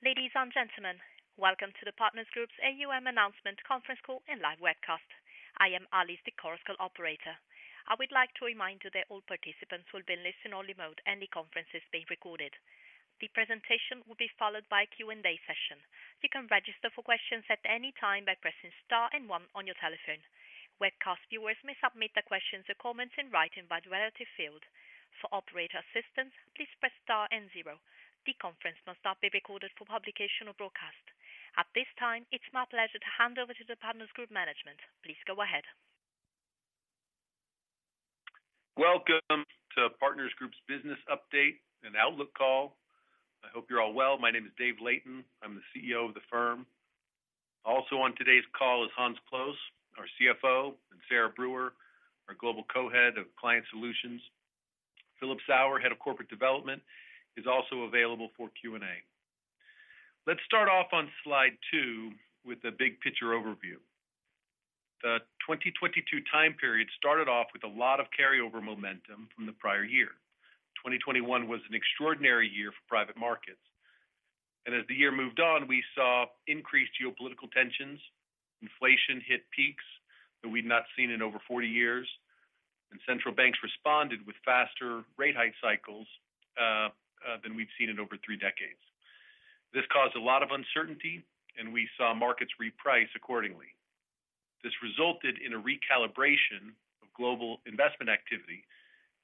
Ladies and gentlemen, welcome to the Partners Group's AUM announcement conference call and live webcast. I am Alice, the call operator. I would like to remind you that all participants will be in listen only mode, and the conference is being recorded. The presentation will be followed by a Q&A session. You can register for questions at any time by pressing star and one on your telephone. Webcast viewers may submit their questions or comments in writing by the relative field. For operator assistance, please press star and zero. The conference must not be recorded for publication or broadcast. At this time, it's my pleasure to hand over to the Partners Group management. Please go ahead. Welcome to Partners Group's Business Update and Outlook Call. I hope you're all well. My name is Dave Layton. I'm the CEO of the firm. Also on today's call is Hans Ploos, our CFO, and Sarah Brewer, our Global Co-head of Client Solutions. Philip Sauer, Head of Corporate Development, is also available for Q&A. Let's start off on slide two with a big picture overview. The 2022 time period started off with a lot of carryover momentum from the prior year. 2021 was an extraordinary year for private markets, and as the year moved on, we saw increased geopolitical tensions. Inflation hit peaks that we'd not seen in over 40 years, and central banks responded with faster rate hike cycles than we've seen in over three decades. This caused a lot of uncertainty, and we saw markets reprice accordingly. This resulted in a recalibration of global investment activity,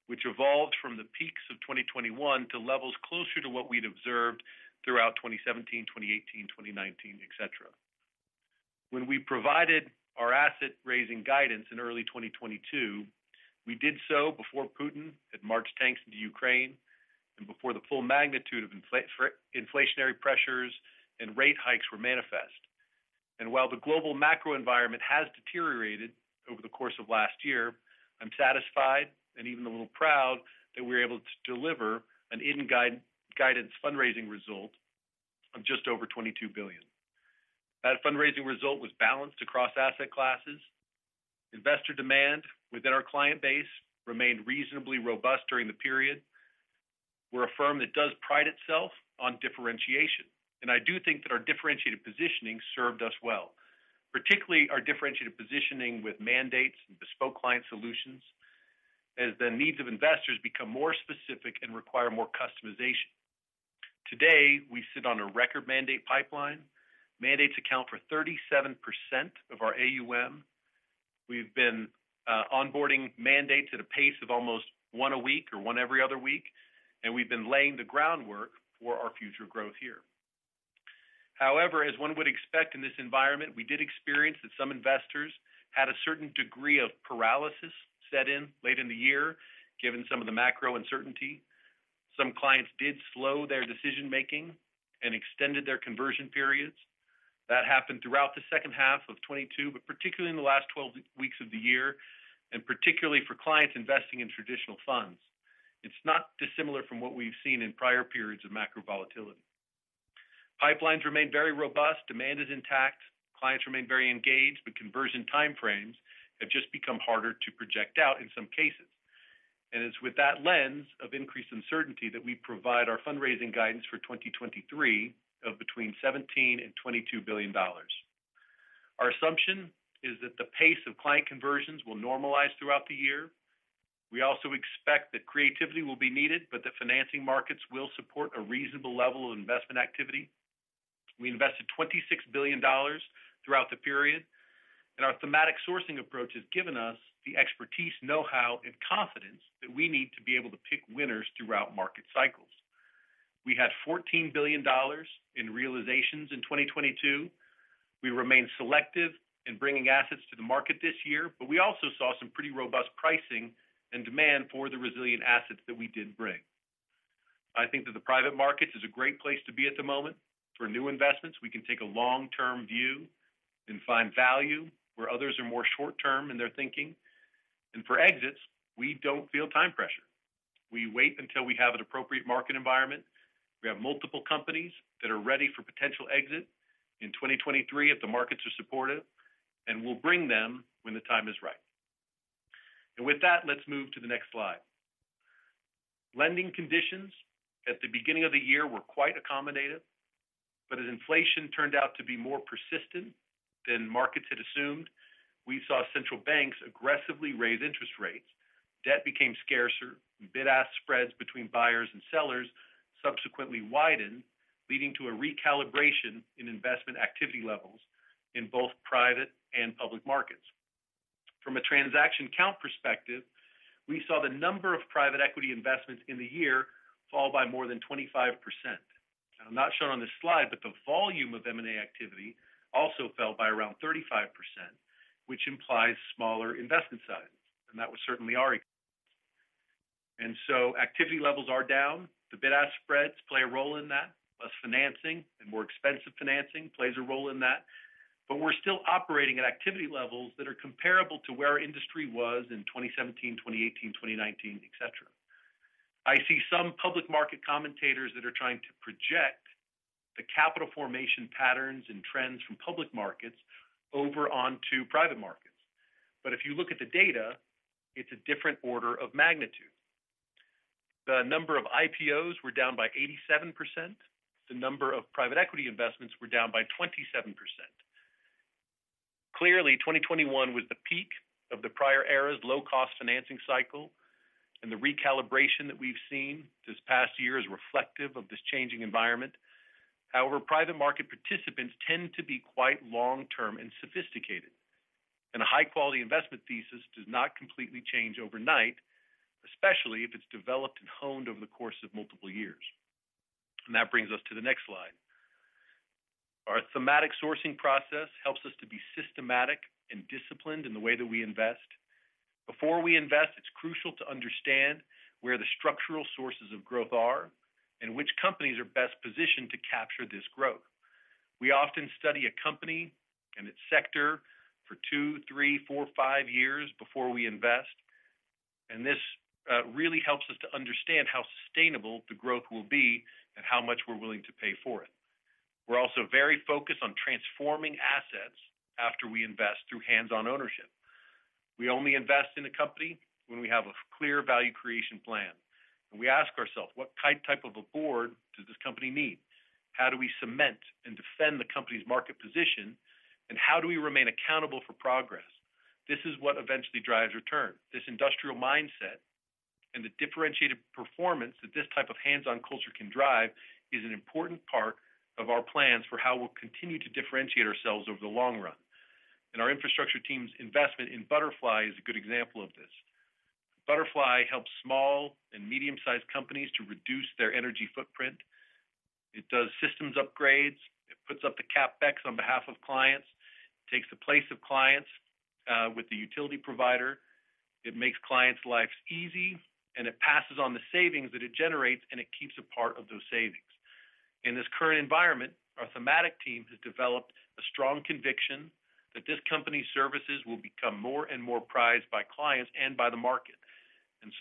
which evolved from the peaks of 2021 to levels closer to what we'd observed throughout 2017, 2018, 2019, et cetera. When we provided our asset-raising guidance in early 2022, we did so before Putin had marched tanks into Ukraine and before the full magnitude of inflationary pressures and rate hikes were manifest. While the global macro environment has deteriorated over the course of last year, I'm satisfied, and even a little proud, that we were able to deliver an in-guidance fundraising result of just over $22 billion. That fundraising result was balanced across asset classes. Investor demand within our client base remained reasonably robust during the period. We're a firm that does pride itself on differentiation. I do think that our differentiated positioning served us well, particularly our differentiated positioning with mandates and bespoke client solutions as the needs of investors become more specific and require more customization. Today, we sit on a record mandate pipeline. Mandates account for 37% of our AUM. We've been onboarding mandates at a pace of almost one a week or one every other week. We've been laying the groundwork for our future growth here. However, as one would expect in this environment, we did experience that some investors had a certain degree of paralysis set in late in the year, given some of the macro uncertainty. Some clients did slow their decision-making and extended their conversion periods. That happened throughout the second half of 2022, but particularly in the last 12 weeks of the year, and particularly for clients investing in traditional funds. It's not dissimilar from what we've seen in prior periods of macro volatility. Pipelines remain very robust, demand is intact, clients remain very engaged, but conversion time frames have just become harder to project out in some cases. It's with that lens of increased uncertainty that we provide our fundraising guidance for 2023 of between $17 billion and $22 billion. Our assumption is that the pace of client conversions will normalize throughout the year. We also expect that creativity will be needed, but the financing markets will support a reasonable level of investment activity. We invested $26 billion throughout the period, and our thematic sourcing approach has given us the expertise, know-how, and confidence that we need to be able to pick winners throughout market cycles. We had $14 billion in realizations in 2022. We remain selective in bringing assets to the market this year, we also saw some pretty robust pricing and demand for the resilient assets that we did bring. I think that the private markets is a great place to be at the moment. For new investments, we can take a long-term view and find value where others are more short-term in their thinking. For exits, we don't feel time pressure. We wait until we have an appropriate market environment. We have multiple companies that are ready for potential exit in 2023 if the markets are supportive. We'll bring them when the time is right. With that, let's move to the next slide. Lending conditions at the beginning of the year were quite accommodative, but as inflation turned out to be more persistent than markets had assumed, we saw central banks aggressively raise interest rates. Debt became scarcer. Bid-ask spreads between buyers and sellers subsequently widened, leading to a recalibration in investment activity levels in both private and public markets. From a transaction count perspective, we saw the number of private equity investments in the year fall by more than 25%. Now, not shown on this slide, but the volume of M&A activity also fell by around 35%, which implies smaller investment size. That was certainly our. Activity levels are down. The bid-ask spreads play a role in that, plus financing and more expensive financing plays a role in that. We're still operating at activity levels that are comparable to where our industry was in 2017, 2018, 2019, et cetera. I see some public market commentators that are trying to project the capital formation patterns and trends from public markets over onto private markets. If you look at the data, it's a different order of magnitude. The number of IPOs were down by 87%. The number of private equity investments were down by 27%. Clearly, 2021 was the peak of the prior era's low-cost financing cycle, and the recalibration that we've seen this past year is reflective of this changing environment. However, private market participants tend to be quite long-term and sophisticated. A high-quality investment thesis does not completely change overnight, especially if it's developed and honed over the course of multiple years. That brings us to the next slide. Our thematic sourcing process helps us to be systematic and disciplined in the way that we invest. Before we invest, it's crucial to understand where the structural sources of growth are and which companies are best positioned to capture this growth. We often study a company and its sector for two, three, four, five years before we invest, and this really helps us to understand how sustainable the growth will be and how much we're willing to pay for it. We're also very focused on transforming assets after we invest through hands-on ownership. We only invest in a company when we have a clear value creation plan. We ask ourselves, what type of a board does this company need? How do we cement and defend the company's market position? How do we remain accountable for progress? This is what eventually drives return. This industrial mindset and the differentiated performance that this type of hands-on culture can drive is an important part of our plans for how we'll continue to differentiate ourselves over the long run. Our infrastructure team's investment in Budderfly is a good example of this. Budderfly helps small and medium-sized companies to reduce their energy footprint. It does systems upgrades. It puts up the CapEx on behalf of clients. It takes the place of clients with the utility provider. It makes clients' lives easy, and it passes on the savings that it generates, and it keeps a part of those savings. In this current environment, our thematic team has developed a strong conviction that this company's services will become more and more prized by clients and by the market.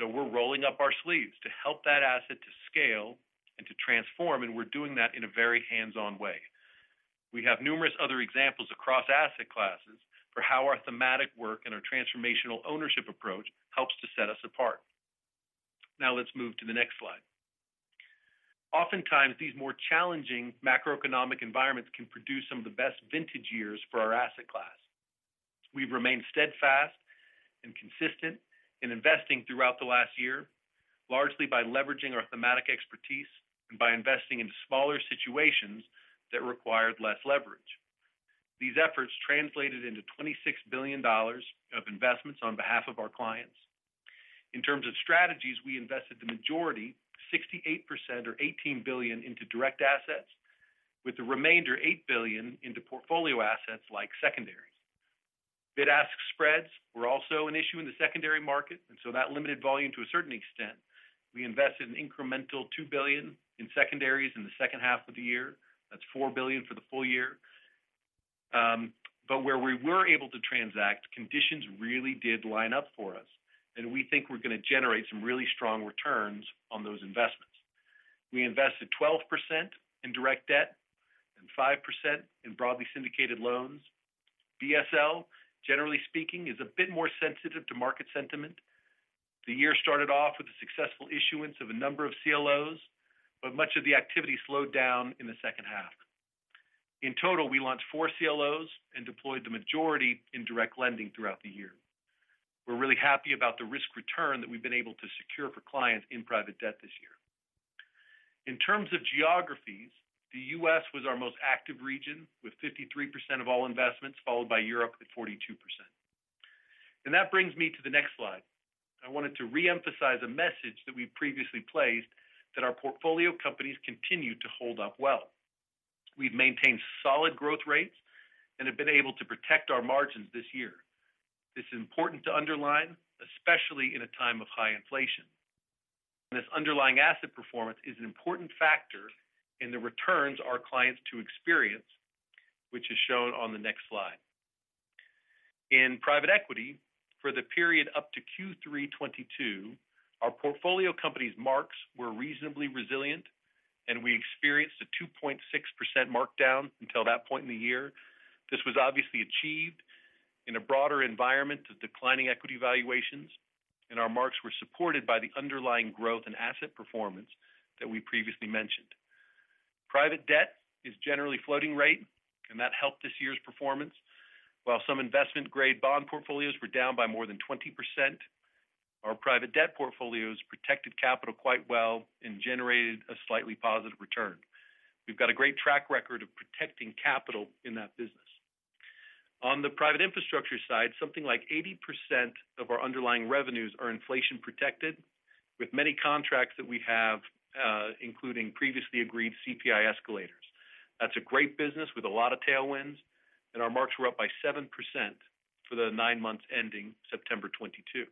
We're rolling up our sleeves to help that asset to scale and to transform, and we're doing that in a very hands-on way. We have numerous other examples across asset classes for how our thematic work and our transformational ownership approach helps to set us apart. Let's move to the next slide. Oftentimes, these more challenging macroeconomic environments can produce some of the best vintage years for our asset class. We've remained steadfast and consistent in investing throughout the last year, largely by leveraging our thematic expertise and by investing into smaller situations that required less leverage. These efforts translated into $26 billion of investments on behalf of our clients. In terms of strategies, we invested the majority, 68% or $18 billion into direct assets, with the remainder $8 billion into portfolio assets like secondaries. Bid-ask spreads were also an issue in the secondary market. That limited volume to a certain extent. We invested an incremental $2 billion in secondaries in the second half of the year. That's $4 billion for the full year. Where we were able to transact, conditions really did line up for us, and we think we're gonna generate some really strong returns on those investments. We invested 12% in direct debt and 5% in broadly syndicated loans. BSL, generally speaking, is a bit more sensitive to market sentiment. The year started off with the successful issuance of a number of CLOs. Much of the activity slowed down in the second half. In total, we launched four CLOs and deployed the majority in direct lending throughout the year. We're really happy about the risk return that we've been able to secure for clients in private debt this year. In terms of geographies, the US was our most active region with 53% of all investments, followed by Europe at 42%. That brings me to the next slide. I wanted to reemphasize a message that we previously placed that our portfolio companies continue to hold up well. We've maintained solid growth rates and have been able to protect our margins this year. This is important to underline, especially in a time of high inflation. This underlying asset performance is an important factor in the returns our clients to experience, which is shown on the next slide. In private equity, for the period up to Q3 2022, our portfolio company's marks were reasonably resilient, and we experienced a 2.6% markdown until that point in the year. This was obviously achieved in a broader environment of declining equity valuations, and our marks were supported by the underlying growth and asset performance that we previously mentioned. Private debt is generally floating rate, and that helped this year's performance. While some investment-grade bond portfolios were down by more than 20%, our private debt portfolios protected capital quite well and generated a slightly positive return. We've got a great track record of protecting capital in that business. On the private infrastructure side, something like 80% of our underlying revenues are inflation-protected, with many contracts that we have, including previously agreed CPI escalators. That's a great business with a lot of tailwinds. Our marks were up by 7% for the nine months ending September 2022.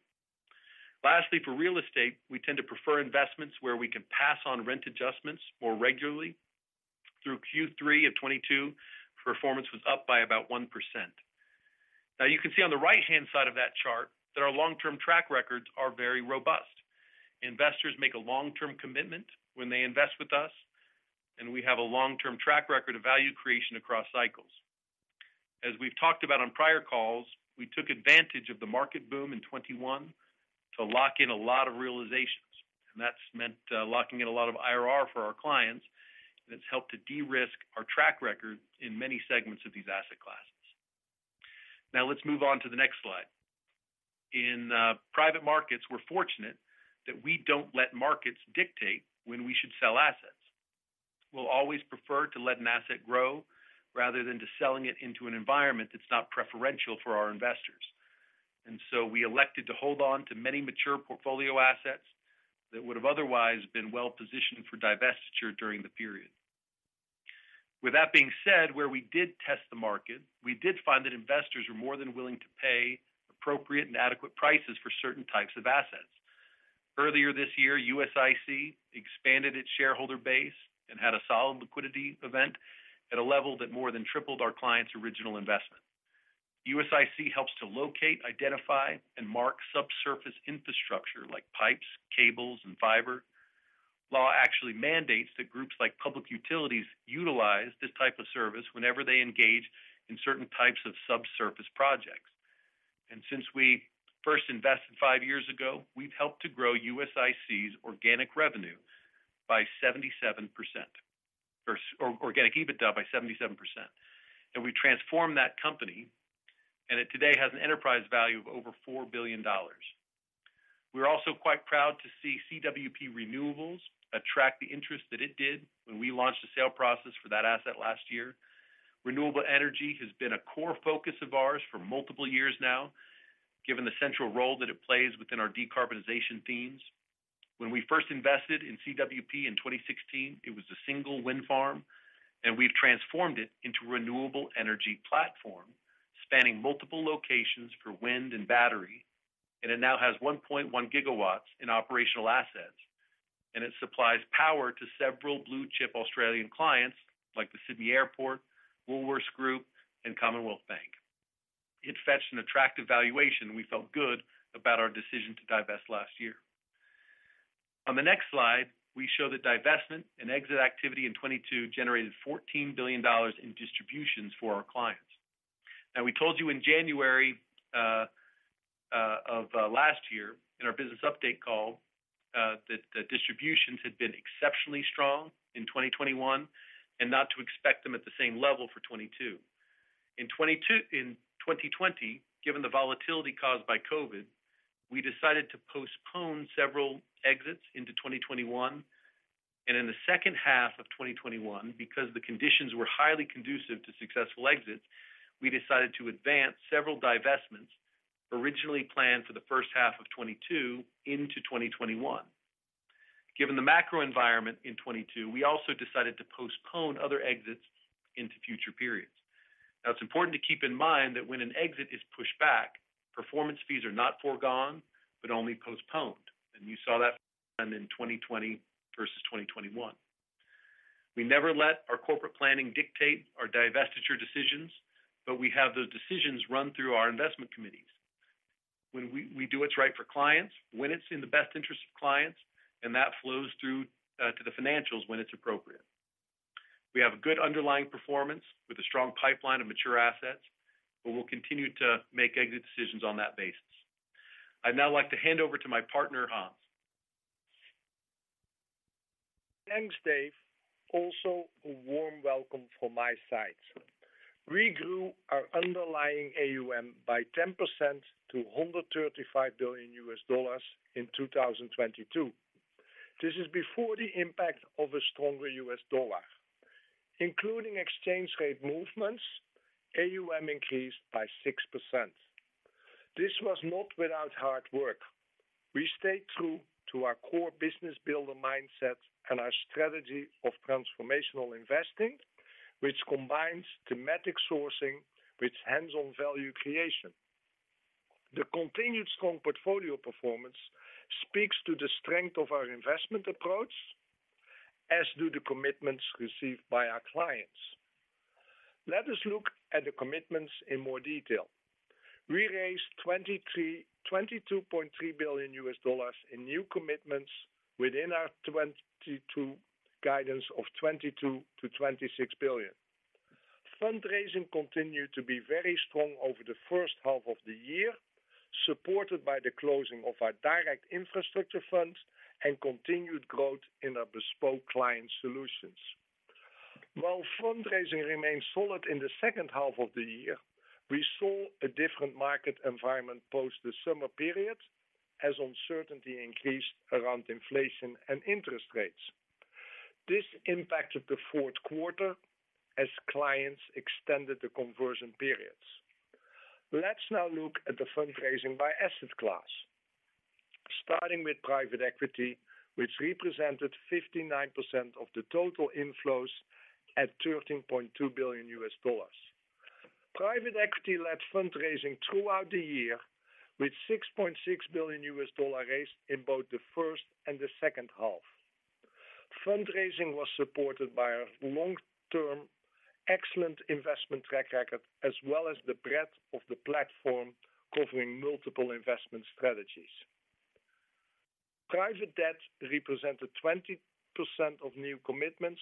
Lastly, for real estate, we tend to prefer investments where we can pass on rent adjustments more regularly. Through Q3 2022, performance was up by about 1%. You can see on the right-hand side of that chart that our long-term track records are very robust. Investors make a long-term commitment when they invest with us. We have a long-term track record of value creation across cycles. As we've talked about on prior calls, we took advantage of the market boom in 2021 to lock in a lot of realizations. That's meant locking in a lot of IRR for our clients, and it's helped to de-risk our track record in many segments of these asset classes. Now let's move on to the next slide. In private markets, we're fortunate that we don't let markets dictate when we should sell assets. We'll always prefer to let an asset grow rather than just selling it into an environment that's not preferential for our investors. We elected to hold on to many mature portfolio assets that would have otherwise been well-positioned for divestiture during the period. With that being said, where we did test the market, we did find that investors were more than willing to pay appropriate and adequate prices for certain types of assets. Earlier this year, USIC expanded its shareholder base and had a solid liquidity event at a level that more than tripled our clients' original investment. USIC helps to locate, identify, and mark subsurface infrastructure like pipes, cables, and fiber. Law actually mandates that groups like public utilities utilize this type of service whenever they engage in certain types of subsurface projects. Since we first invested five years ago, we've helped to grow USIC's organic revenue by 77% or organic EBITDA by 77%. We transformed that company, and it today has an enterprise value of over $4 billion. We're also quite proud to see CWP Renewables attract the interest that it did when we launched the sale process for that asset last year. Renewable energy has been a core focus of ours for multiple years now, given the central role that it plays within our decarbonization themes. When we first invested in CWP in 2016, it was a single wind farm, and we've transformed it into a renewable energy platform spanning multiple locations for wind and battery. It now has 1.1 GW in operational assets. It supplies power to several blue-chip Australian clients like Sydney Airport, Woolworths Group, and Commonwealth Bank. It fetched an attractive valuation, and we felt good about our decision to divest last year. On the next slide, we show the divestment and exit activity in 2022 generated $14 billion in distributions for our clients. We told you in January last year in our business update call that the distributions had been exceptionally strong in 2021 and not to expect them at the same level for 2022. In 2020, given the volatility caused by COVID, we decided to postpone several exits into 2021. In the second half of 2021, because the conditions were highly conducive to successful exits, we decided to advance several divestments originally planned for the first half of 2022 into 2021. Given the macro environment in 2022, we also decided to postpone other exits into future periods. It's important to keep in mind that when an exit is pushed back, performance fees are not foregone, but only postponed. You saw that in 2020 versus 2021. We never let our corporate planning dictate our divestiture decisions, but we have those decisions run through our investment committees. We do what's right for clients, when it's in the best interest of clients, and that flows through to the financials when it's appropriate. We have a good underlying performance with a strong pipeline of mature assets, but we'll continue to make exit decisions on that basis. I'd now like to hand over to my partner, Hans. Thanks, Dave. Also, a warm welcome from my side. We grew our underlying AUM by 10% to $135 billion in 2022. This is before the impact of a stronger US dollar. Including exchange rate movements, AUM increased by 6%. This was not without hard work. We stayed true to our core business builder mindset and our strategy of transformational investing, which combines thematic sourcing with hands-on value creation. The continued strong portfolio performance speaks to the strength of our investment approach, as do the commitments received by our clients. Let us look at the commitments in more detail. We raised $22.3 billion in new commitments within our 2022 guidance of $22 billion-$26 billion. Fundraising continued to be very strong over the first half of the year, supported by the closing of our direct infrastructure funds and continued growth in our bespoke client solutions. While fundraising remained solid in the second half of the year, we saw a different market environment post the summer period, as uncertainty increased around inflation and interest rates. This impacted the fourth quarter as clients extended the conversion periods. Let's now look at the fundraising by asset class. Starting with private equity, which represented 59% of the total inflows at $13.2 billion. Private equity led fundraising throughout the year with $6.6 billion raised in both the first and the second half. Fundraising was supported by our long-term excellent investment track record, as well as the breadth of the platform covering multiple investment strategies. Private debt represented 20% of new commitments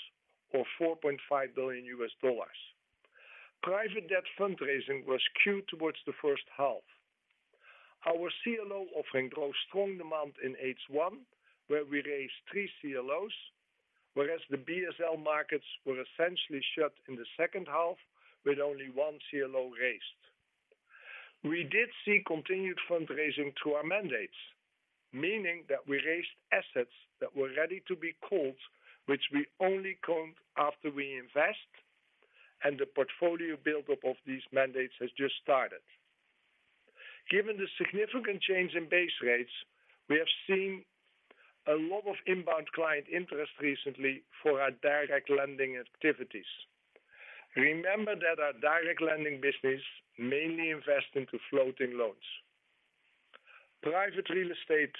or $4.5 billion. Private debt fundraising was skewed towards the first half. Our CLO offering drove strong demand in H1, where we raised three CLOs, whereas the BSL markets were essentially shut in the second half with only one CLO raised. We did see continued fundraising through our mandates, meaning that we raised assets that were ready to be called, which we only count after we invest, and the portfolio build-up of these mandates has just started. Given the significant change in base rates, we have seen a lot of inbound client interest recently for our direct lending activities. Remember that our direct lending business mainly invests into floating loans. Private real estate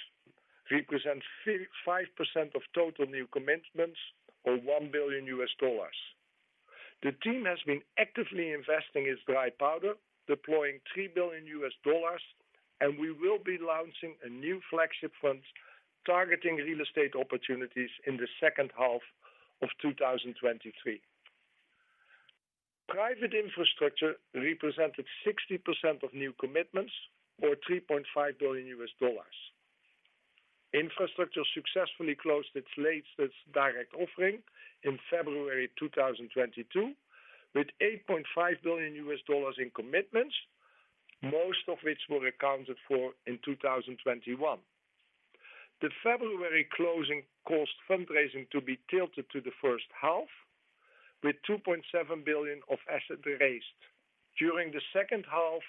represents 5% of total new commencements or $1 billion. The team has been actively investing its dry powder, deploying $3 billion. We will be launching a new flagship fund targeting real estate opportunities in the second half of 2023. Private infrastructure represented 60% of new commitments or $3.5 billion. Infrastructure successfully closed its latest direct offering in February 2022, with $8.5 billion in commitments, most of which were accounted for in 2021. The February closing caused fundraising to be tilted to the first half, with $2.7 billion of assets raised. During the second half,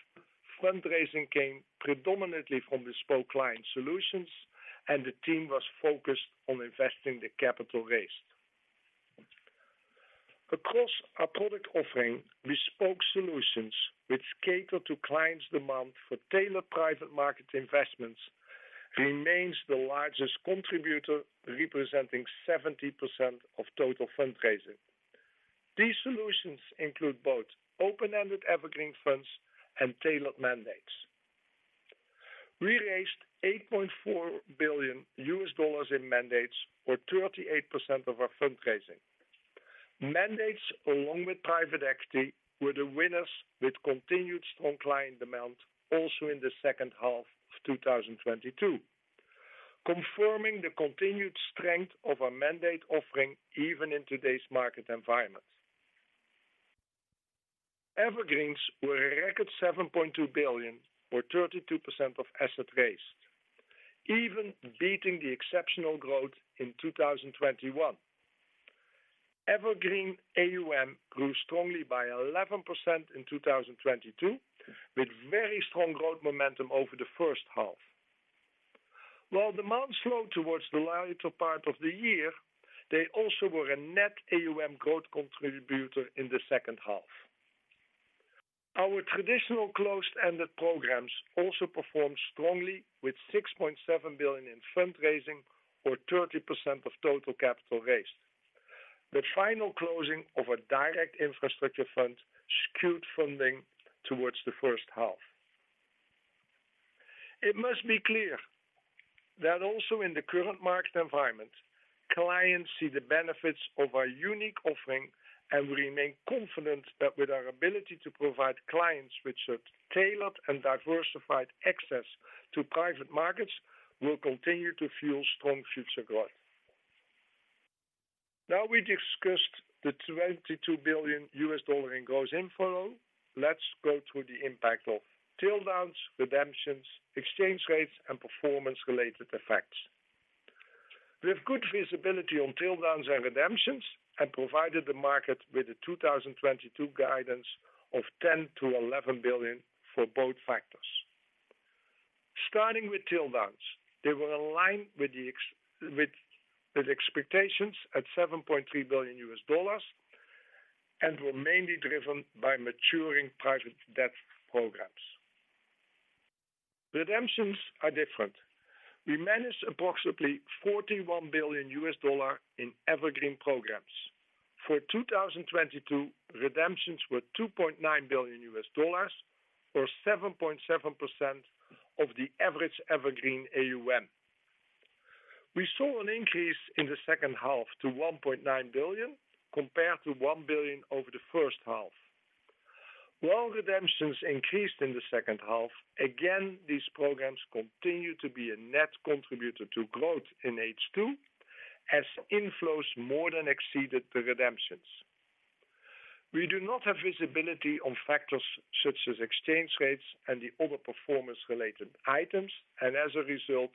fundraising came predominantly from bespoke client solutions. The team was focused on investing the capital raised. Across our product offering, bespoke solutions, which cater to clients demand for tailored private market investments, remains the largest contributor, representing 70% of total fundraising. These solutions include both open-ended evergreen funds and tailored mandates. We raised $8.4 billion in mandates or 38% of our fundraising. Mandates, along with private equity, were the winners with continued strong client demand also in the second half of 2022, confirming the continued strength of our mandate offering even in today's market environment. Evergreens were a record $7.2 billion or 32% of assets raised, even beating the exceptional growth in 2021. Evergreen AUM grew strongly by 11% in 2022, with very strong growth momentum over the first half. While demand slowed towards the latter part of the year, they also were a net AUM growth contributor in the second half. Our traditional closed-ended programs also performed strongly with $6.7 billion in fundraising or 30% of total capital raised. The final closing of a direct infrastructure fund skewed funding towards the first half. It must be clear that also in the current market environment, clients see the benefits of our unique offering and remain confident that with our ability to provide clients with tailored and diversified access to private markets will continue to fuel strong future growth. We discussed the $22 billion in gross inflow. Let's go through the impact of drawdowns, redemptions, exchange rates, and performance-related effects. We have good visibility on drawdowns and redemptions and provided the market with the 2022 guidance of $10 billion-$11 billion for both factors. Starting with drawdowns, they were aligned with expectations at $7.3 billion and were mainly driven by maturing private debt programs. Redemptions are different. We managed approximately $41 billion in evergreen programs. For 2022, redemptions were $2.9 billion or 7.7% of the average evergreen AUM. We saw an increase in the second half to $1.9 billion compared to $1 billion over the first half. While redemptions increased in the second half, again, these programs continued to be a net contributor to growth in H2 as inflows more than exceeded the redemptions. We do not have visibility on factors such as exchange rates and the other performance-related items, and as a result,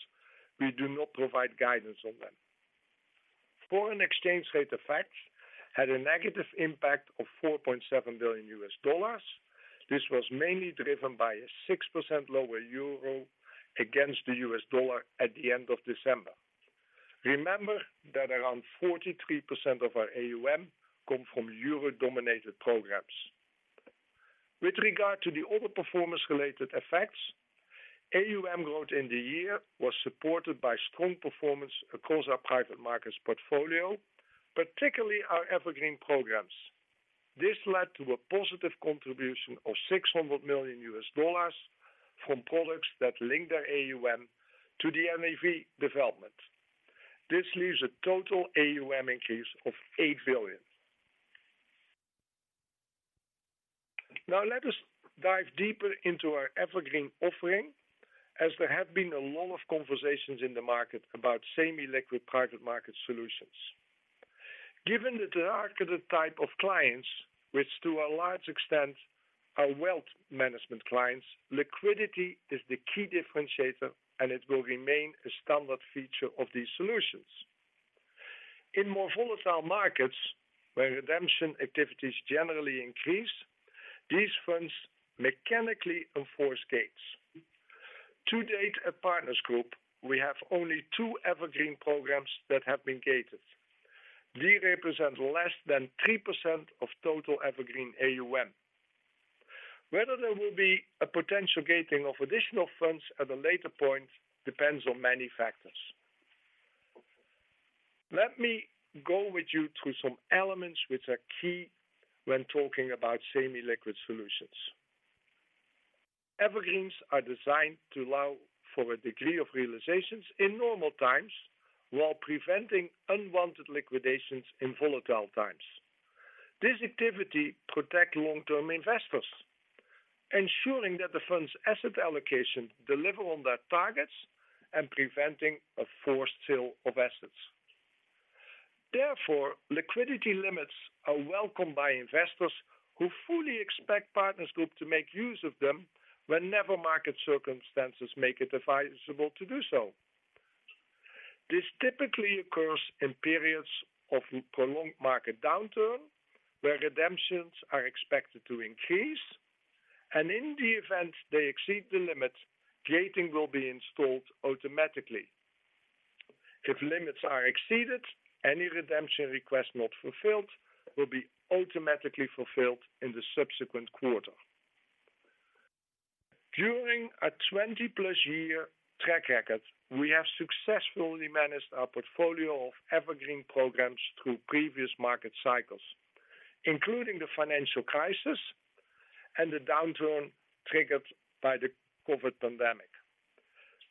we do not provide guidance on them. Foreign exchange rate effects had a negative impact of $4.7 billion. This was mainly driven by a 6% lower euro against the US dollar at the end of December. Remember that around 43% of our AUM come from euro-dominated programs. With regard to the other performance-related effects, AUM growth in the year was supported by strong performance across our private markets portfolio, particularly our evergreen programs. This led to a positive contribution of $600 million from products that link their AUM to the NAV development. This leaves a total AUM increase of $8 billion. Now let us dive deeper into our evergreen offering, as there have been a lot of conversations in the market about semi-liquid private market solutions. Given the targeted type of clients, which to a large extent are wealth management clients, liquidity is the key differentiator, and it will remain a standard feature of these solutions. In more volatile markets, where redemption activities generally increase, these funds mechanically enforce gates. To date, at Partners Group, we have only two evergreen programs that have been gated. We represent less than 3% of total evergreen AUM. Whether there will be a potential gating of additional funds at a later point depends on many factors. Let me go with you through some elements which are key when talking about semi-liquid solutions. Evergreens are designed to allow for a degree of realizations in normal times while preventing unwanted liquidations in volatile times. This activity protect long-term investors, ensuring that the fund's asset allocation deliver on their targets and preventing a forced sale of assets. Therefore, liquidity limits are welcomed by investors who fully expect Partners Group to make use of them whenever market circumstances make it advisable to do so. This typically occurs in periods of prolonged market downturn, where redemptions are expected to increase, and in the event they exceed the limit, gating will be installed automatically. If limits are exceeded, any redemption request not fulfilled will be automatically fulfilled in the subsequent quarter. During a 20+ year track record, we have successfully managed our portfolio of evergreen programs through previous market cycles, including the financial crisis and the downturn triggered by the COVID pandemic.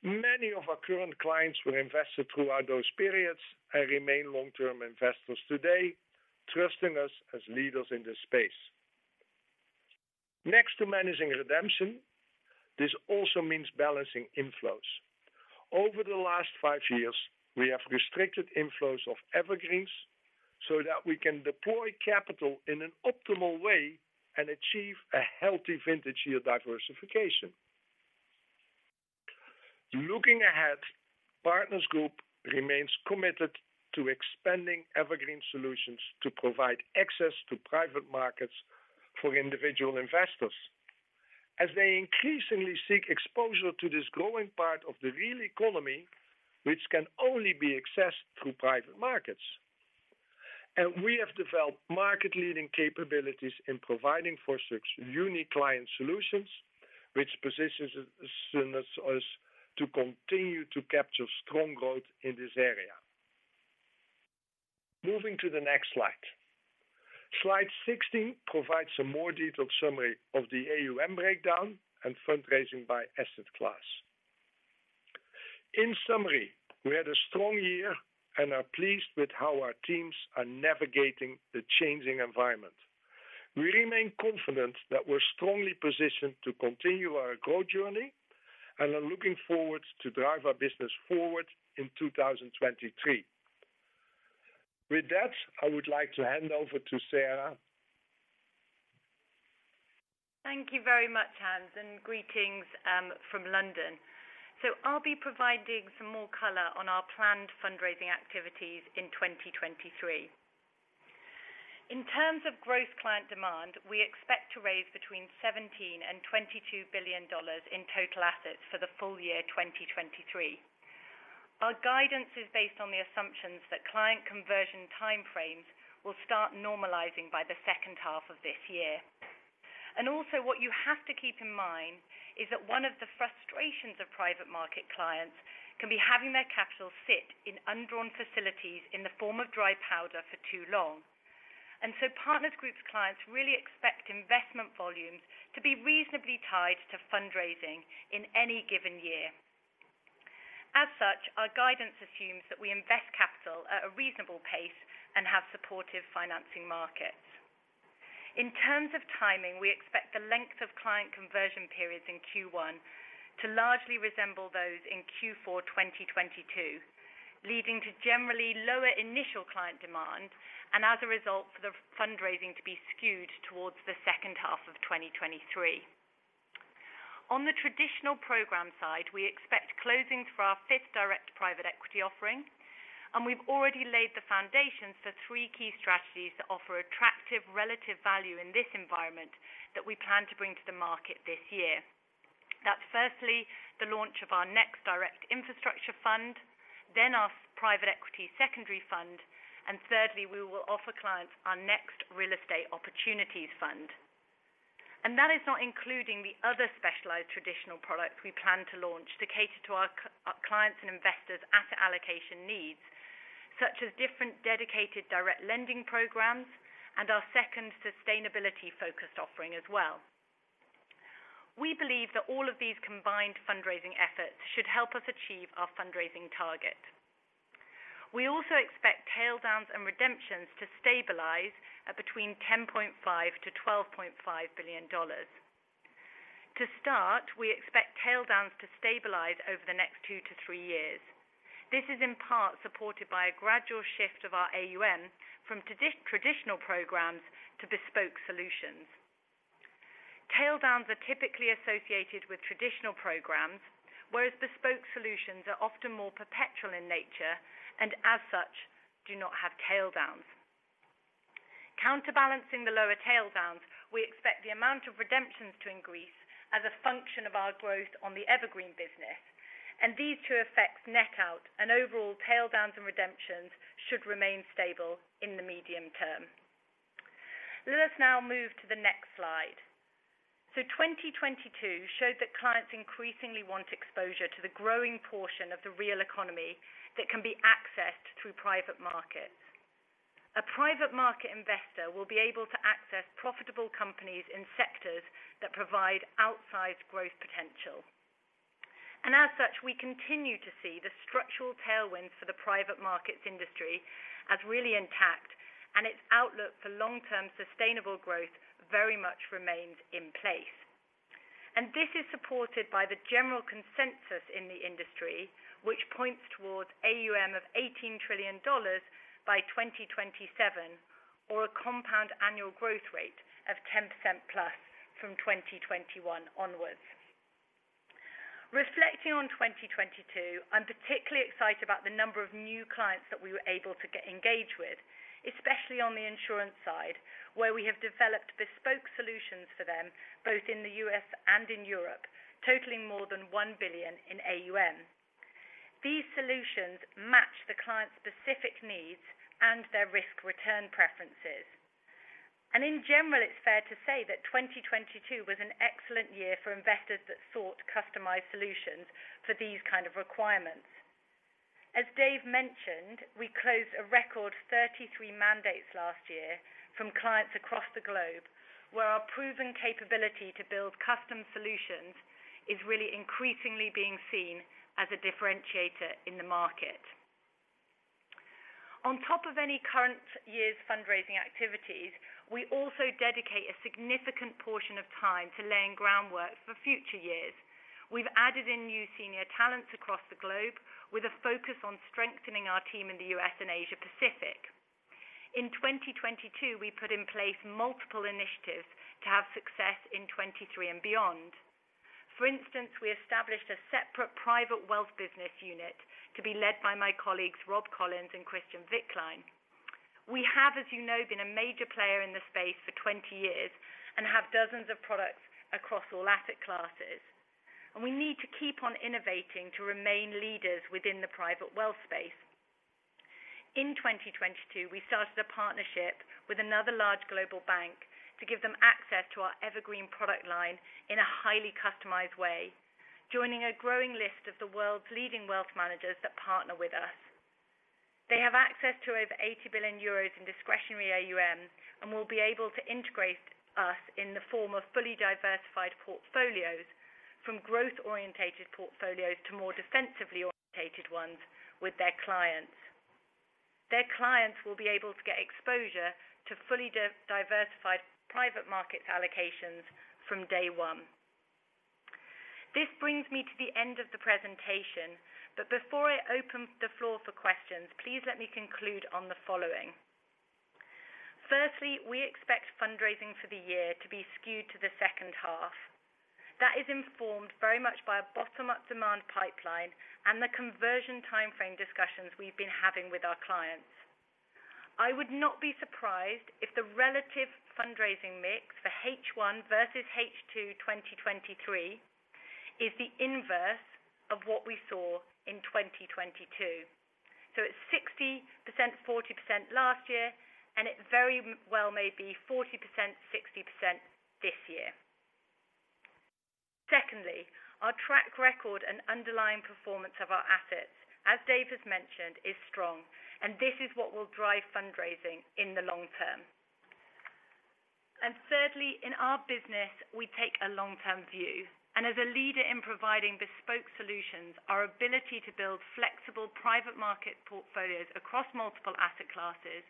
Many of our current clients were invested throughout those periods and remain long-term investors today, trusting us as leaders in this space. Next to managing redemption, this also means balancing inflows. Over the last 5 years, we have restricted inflows of evergreens so that we can deploy capital in an optimal way and achieve a healthy vintage year diversification. Looking ahead, Partners Group remains committed to expanding evergreen solutions to provide access to private markets for individual investors as they increasingly seek exposure to this growing part of the real economy, which can only be accessed through private markets. We have developed market-leading capabilities in providing for such unique client solutions, which positions us to continue to capture strong growth in this area. Moving to the next slide. Slide 16 provides a more detailed summary of the AUM breakdown and fundraising by asset class. In summary, we had a strong year and are pleased with how our teams are navigating the changing environment. We remain confident that we're strongly positioned to continue our growth journey and are looking forward to drive our business forward in 2023. With that, I would like to hand over to Sarah. Thank you very much, Hans. Greetings from London. I'll be providing some more color on our planned fundraising activities in 2023. In terms of growth client demand, we expect to raise between $17 billion and $22 billion in total assets for the full year 2023. Our guidance is based on the assumptions that client conversion time frames will start normalizing by the second half of this year. What you have to keep in mind is that one of the frustrations of private market clients can be having their capital sit in undrawn facilities in the form of dry powder for too long. Partners Group's clients really expect investment volumes to be reasonably tied to fundraising in any given year. As such, our guidance assumes that we invest capital at a reasonable pace and have supportive financing markets. In terms of timing, we expect the length of client conversion periods in Q1 to largely resemble those in Q4 2022, leading to generally lower initial client demand, and as a result for the fundraising to be skewed towards the second half of 2023. On the traditional program side, we expect closing for our 5th direct private equity offering, and we've already laid the foundations for three key strategies that offer attractive relative value in this environment that we plan to bring to the market this year. That's firstly, the launch of our next direct infrastructure fund, then our private equity secondary fund. Thirdly, we will offer clients our next real estate opportunities fund. That is not including the other specialized traditional products we plan to launch to cater to our clients and investors asset allocation needs, such as different dedicated direct lending programs and our second sustainability-focused offering as well. We believe that all of these combined fundraising efforts should help us achieve our fundraising target. We also expect tail downs and redemptions to stabilize at between $10.5 billion-$12.5 billion. To start, we expect tail downs to stabilize over the next two years to three years. This is in part supported by a gradual shift of our AUM from traditional programs to bespoke solutions. Tail downs are typically associated with traditional programs, whereas bespoke solutions are often more perpetual in nature and as such, do not have tail downs. Counterbalancing the lower tail downs, we expect the amount of redemptions to increase as a function of our growth on the evergreen business. These two effects net out an overall tail downs and redemptions should remain stable in the medium term. Let us now move to the next slide. 2022 showed that clients increasingly want exposure to the growing portion of the real economy that can be accessed through private markets. A private market investor will be able to access profitable companies in sectors that provide outsized growth potential. As such, we continue to see the structural tailwinds for the private markets industry as really intact and its outlook for long-term sustainable growth very much remains in place. This is supported by the general consensus in the industry, which points towards AUM of $18 trillion by 2027, or a compound annual growth rate of 10%+ from 2021 onwards. Reflecting on 2022, I'm particularly excited about the number of new clients that we were able to get engaged with, especially on the insurance side, where we have developed bespoke solutions for them both in the U.S. and in Europe, totaling more than $1 billion in AUM. These solutions match the client's specific needs and their risk-return preferences. In general, it's fair to say that 2022 was an excellent year for investors that sought customized solutions for these kind of requirements. As Dave mentioned, we closed a record 33 mandates last year from clients across the globe, where our proven capability to build custom solutions is really increasingly being seen as a differentiator in the market. On top of any current year's fundraising activities, we also dedicate a significant portion of time to laying groundwork for future years. We've added in new senior talents across the globe with a focus on strengthening our team in the U.S. and Asia-Pacific. In 2022, we put in place multiple initiatives to have success in 2023 and beyond. For instance, we established a separate private wealth business unit to be led by my colleagues Rob Collins and Christian Wicklein. We have, as you know, been a major player in this space for 20 years and have dozens of products across all asset classes. We need to keep on innovating to remain leaders within the private wealth space. In 2022, we started a partnership with another large global bank to give them access to our evergreen product line in a highly customized way, joining a growing list of the world's leading wealth managers that partner with us. They have access to over 80 billion euros in discretionary AUM and will be able to integrate us in the form of fully diversified portfolios from growth-orientated portfolios to more defensively orientated ones with their clients. Their clients will be able to get exposure to fully diversified private markets allocations from day one. This brings me to the end of the presentation. Before I open the floor for questions, please let me conclude on the following. Firstly, we expect fundraising for the year to be skewed to the second half. That is informed very much by a bottom-up demand pipeline and the conversion timeframe discussions we've been having with our clients. I would not be surprised if the relative fundraising mix for H1 versus H2 2023 is the inverse of what we saw in 2022. It's 60%, 40% last year, and it very well may be 40%, 60% this year. Secondly, our track record and underlying performance of our assets, as Dave has mentioned, is strong and this is what will drive fundraising in the long term. Thirdly, in our business, we take a long-term view. As a leader in providing bespoke solutions, our ability to build flexible private market portfolios across multiple asset classes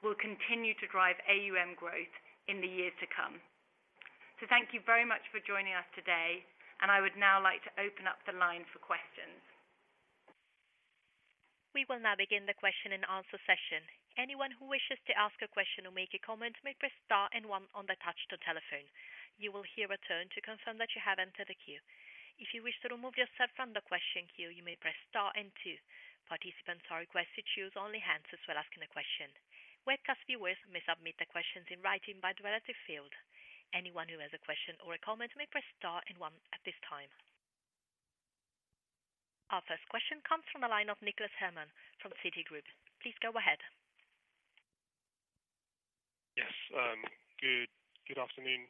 will continue to drive AUM growth in the years to come. Thank you very much for joining us today, and I would now like to open up the line for questions. We will now begin the question-and-answer session. Anyone who wishes to ask a question or make a comment may press star and one on their touch-tone telephone. You will hear a tone to confirm that you have entered the queue. If you wish to remove yourself from the question queue, you may press star and two. Participants are requested to use only hands as well asking a question. Webcast viewers may submit their questions in writing by the relative field. Anyone who has a question or a comment may press star and one at this time. Our first question comes from the line of Nicholas Herman from Citigroup. Please go ahead. Yes, good afternoon.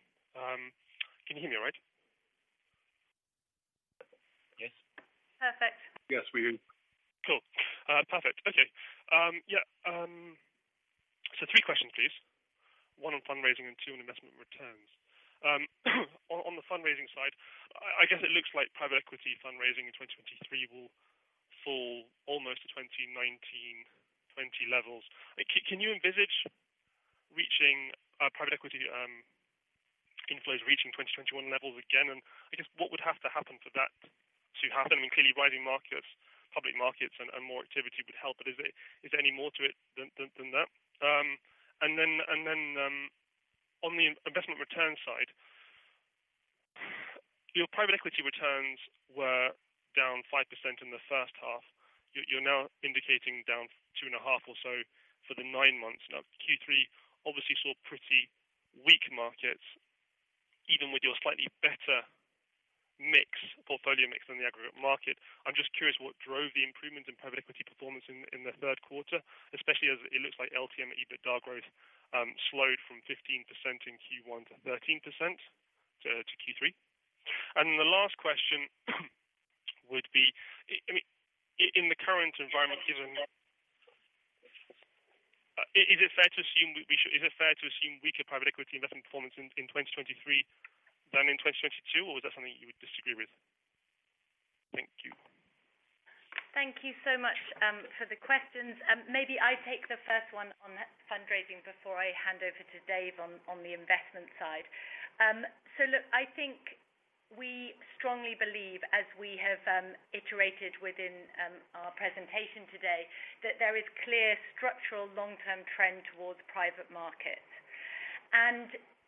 Can you hear me all right? Yes. Perfect. Yes, we do. Cool. Perfect. Okay. Yeah. So three questions, please. One on fundraising and two on investment returns. On the fundraising side, I guess it looks like private equity fundraising in 2023 will fall almost to 2019, 2020 levels. Can you envisage reaching private equity inflows reaching 2021 levels again? I guess what would have to happen for that to happen? I mean, clearly, rising markets, public markets and more activity would help, but is there any more to it than that? Then, on the investment return side, your private equity returns were down 5% in the first half. You're now indicating down 2.5% or so for the nine months. Now, Q3 obviously saw pretty weak markets, even with your slightly better mix, portfolio mix than the aggregate market. I'm just curious what drove the improvement in private equity performance in the third quarter, especially as it looks like LTM EBITDA growth slowed from 15% in Q1 to 13% to Q3. The last question would be, I mean, in the current environment, given. Is it fair to assume weaker private equity investment performance in 2023 than in 2022, or is that something you would disagree with? Thank you. Thank you so much for the questions. Maybe I take the first one on fundraising before I hand over to Dave on the investment side. Look, I think we strongly believe, as we have iterated within our presentation today, that there is clear structural long-term trend towards private markets.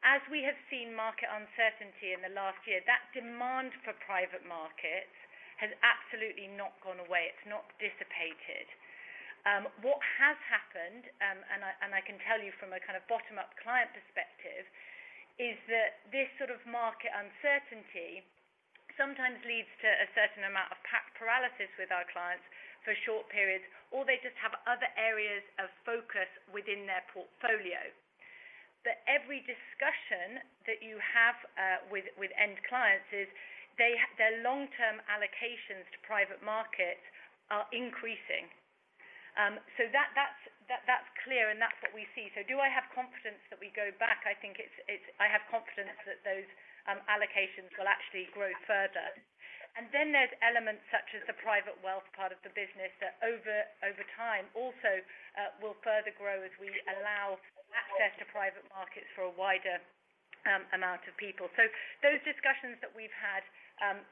As we have seen market uncertainty in the last year, that demand for private markets has absolutely not gone away. It's not dissipated. What has happened, and I can tell you from a kind of bottom-up client perspective, is that this sort of market uncertainty sometimes leads to a certain amount of paralysis with our clients for short periods, or they just have other areas of focus within their portfolio. Every discussion that you have with end clients is their long-term allocations to private markets are increasing. That, that's clear, and that's what we see. Do I have confidence that we go back? I think I have confidence that those allocations will actually grow further. There's elements such as the private wealth part of the business that over time also will further grow as we allow access to private markets for a wider amount of people. Those discussions that we've had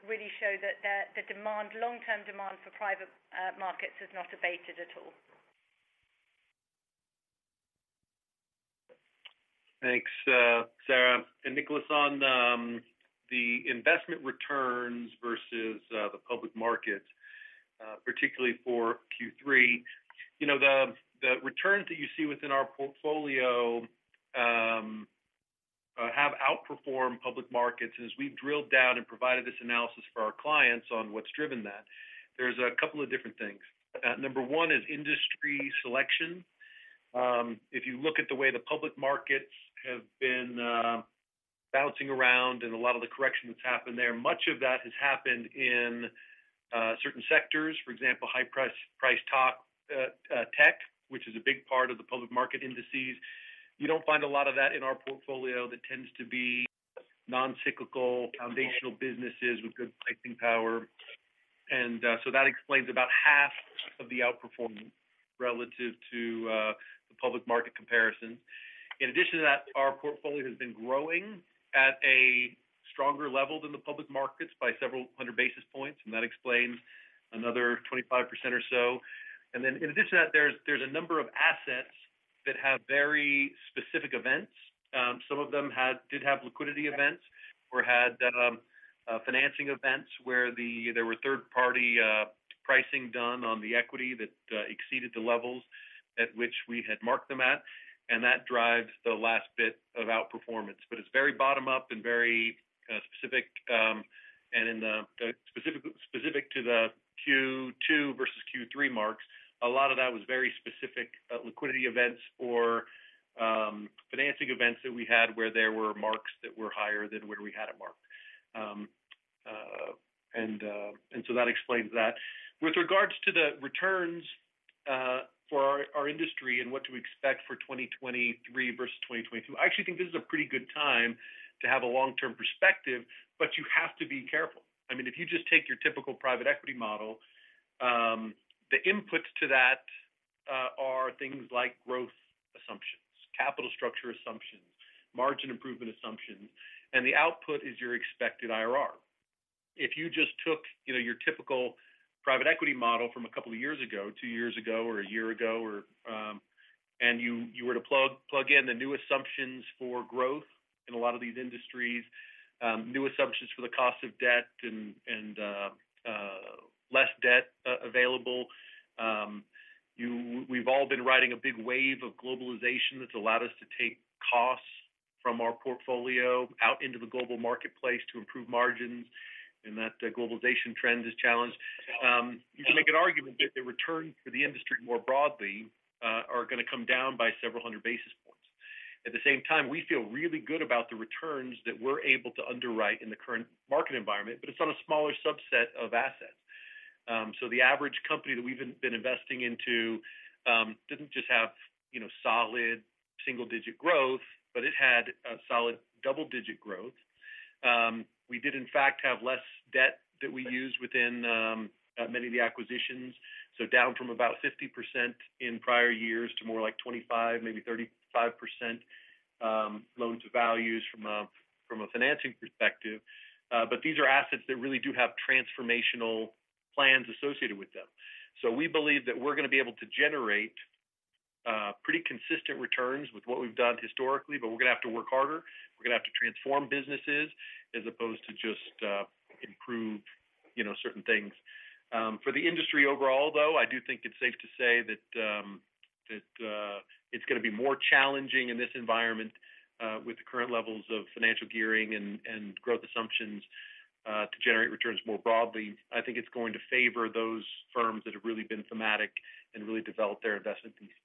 really show that the demand, long-term demand for private markets has not abated at all. Thanks, Sarah. Nicholas, on the investment returns versus the public markets, particularly for Q3. You know, the returns that you see within our portfolio have outperformed public markets. As we've drilled down and provided this analysis for our clients on what's driven that, there's a couple of different things. one is industry selection. If you look at the way the public markets have been bouncing around and a lot of the correction that's happened there, much of that has happened in certain sectors. For example, high price, tech, which is a big part of the public market indices. You don't find a lot of that in our portfolio that tends to be non-cyclical, foundational businesses with good pricing power. So that explains about half of the outperforming relative to the public market comparison. In addition to that, our portfolio has been growing at a stronger level than the public markets by several hundred basis points, and that explains another 25% or so. In addition to that, there's a number of assets that have very specific events. Some of them did have liquidity events or had financing events where there were third-party pricing done on the equity that exceeded the levels at which we had marked them at. That drives the last bit of outperformance. It's very bottom up and very specific, and in the specific to the Q2 versus Q3 marks. A lot of that was very specific, liquidity events or financing events that we had where there were marks that were higher than where we had it marked. That explains that. With regards to the returns, for our industry and what to expect for 2023 versus 2022, I actually think this is a pretty good time to have a long-term perspective, but you have to be careful. I mean, if you just take your typical private equity model, the inputs to that are things like growth assumptions, capital structure assumptions, margin improvement assumptions, and the output is your expected IRR. If you just took, you know, your typical private equity model from a couple of years ago, two years ago or a year ago, and you were to plug in the new assumptions for growth in a lot of these industries, new assumptions for the cost of debt and less debt available. We've all been riding a big wave of globalization that's allowed us to take costs from our portfolio out into the global marketplace to improve margins. That globalization trend is challenged. You can make an argument that the return for the industry more broadly, are gonna come down by several hundred basis points. At the same time, we feel really good about the returns that we're able to underwrite in the current market environment, but it's on a smaller subset of assets. The average company that we've been investing into didn't just have, you know, solid single-digit growth, but it had a solid double-digit growth. We did in fact have less debt that we used within many of the acquisitions, down from about 50% in prior years to more like 25%, maybe 35%, loans to values from a financing perspective. These are assets that really do have transformational plans associated with them. We believe that we're gonna be able to generate pretty consistent returns with what we've done historically, but we're gonna have to work harder. We're gonna have to transform businesses as opposed to just improve, you know, certain things. For the industry overall, though, I do think it's safe to say that, it's gonna be more challenging in this environment, with the current levels of financial gearing and growth assumptions, to generate returns more broadly. I think it's going to favor those firms that have really been thematic and really developed their investment thesis.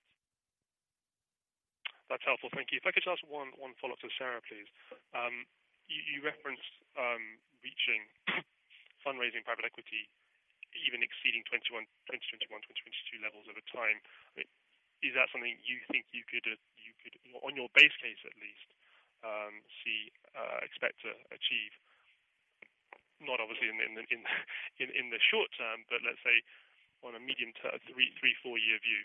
That's helpful. Thank you. If I could ask one follow-up to Sarah, please. You referenced reaching fundraising private equity even exceeding 2021, 2022 levels at a time. Is that something you think you could on your base case, at least, see expect to achieve? Not obviously in the, in the, in the short term, but let's say on a medium to a three-year to four-year view.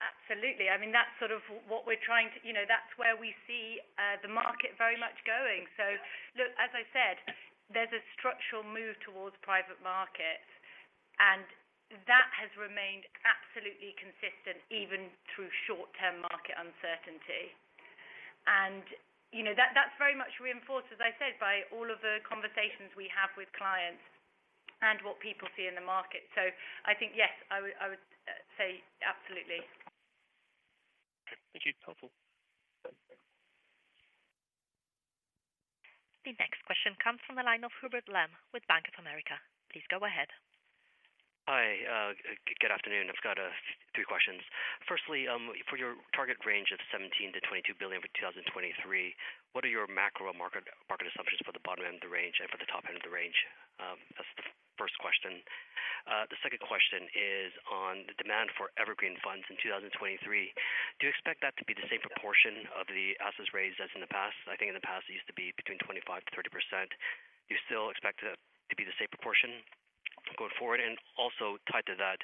Absolutely. I mean, that's sort of what we're trying to. You know, that's where we see the market very much going. Look, as I said, there's a structural move towards private markets, that has remained absolutely consistent even through short-term market uncertainty. You know, that's very much reinforced, as I said, by all of the conversations we have with clients and what people see in the market. I think, yes, I would say absolutely. Thank you. That's helpful. The next question comes from the line of Hubert Lam with Bank of America. Please go ahead. Hi. Good afternoon. I've got three questions. Firstly, for your target range of $17 billion-$22 billion for 2023, what are your macro market assumptions for the bottom end of the range and for the top end of the range? That's the first question. The second question is on the demand for evergreen funds in 2023. Do you expect that to be the same proportion of the assets raised as in the past? I think in the past it used to be between 25%-30%. Do you still expect it to be the same proportion going forward? Also tied to that,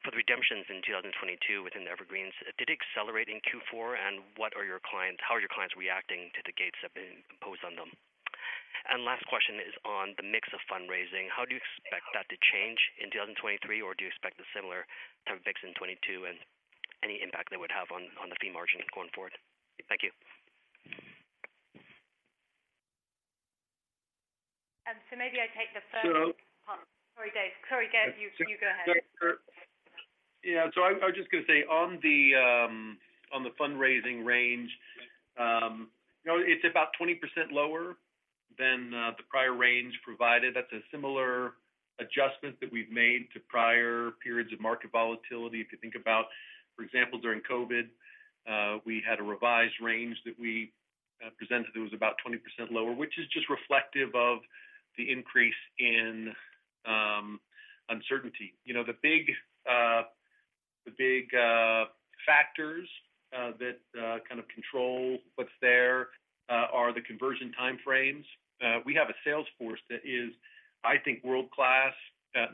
for the redemptions in 2022 within evergreens, did it accelerate in Q4, how are your clients reacting to the gates that have been imposed on them? Last question is on the mix of fundraising. How do you expect that to change in 2023, or do you expect a similar term fix in 2022 and any impact that would have on the fee margins going forward? Thank you. Maybe I take the first. So- Sorry, Dave. You go ahead. Yeah. I was just gonna say on the fundraising range, you know, it's about 20% lower than the prior range provided. That's a similar adjustment that we've made to prior periods of market volatility. If you think about, for example, during COVID, we had a revised range that we presented that was about 20% lower, which is just reflective of the increase in uncertainty. You know the big, the big factors that kind of control what's there are the conversion time frames. We have a sales force that is, I think, world-class,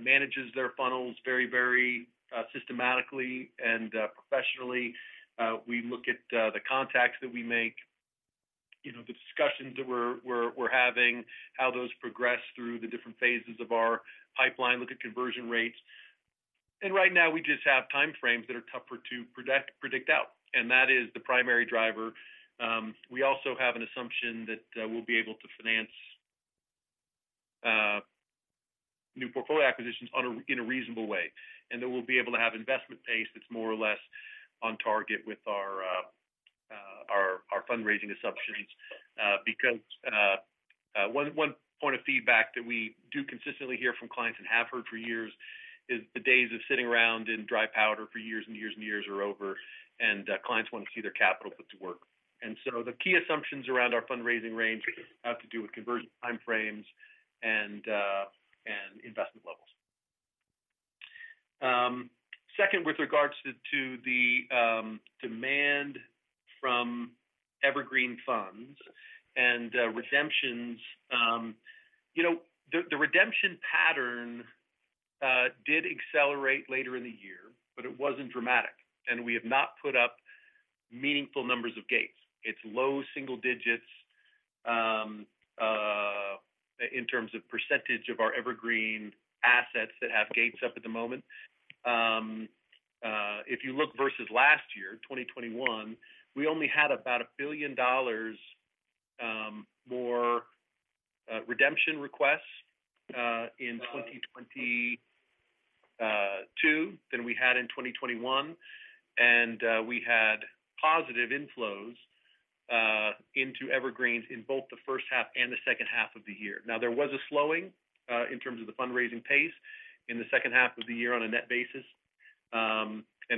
manages their funnels very systematically and professionally. We look at the contacts that we make, you know, the discussions that we're having, how those progress through the different phases of our pipeline. Look at conversion rates. Right now we just have time frames that are tougher to predict out, and that is the primary driver. We also have an assumption that we'll be able to finance new portfolio acquisitions in a reasonable way, and that we'll be able to have investment pace that's more or less on target with our fundraising assumptions. Because one point of feedback that we do consistently hear from clients and have heard for years is the days of sitting around in dry powder for years and years and years are over, and clients want to see their capital put to work. The key assumptions around our fundraising range have to do with conversion time frames and investment levels. Second, with regards to demand from evergreen funds and redemptions. You know, the redemption pattern did accelerate later in the year, but it wasn't dramatic. We have not put up meaningful numbers of gates. It's low single digits in terms of percentage of our evergreen assets that have gates up at the moment. If you look versus last year, 2021, we only had about $1 billion more redemption requests in 2022 than we had in 2021. We had positive inflows into evergreens in both the first half and the second half of the year. Now, there was a slowing in terms of the fundraising pace in the second half of the year on a net basis.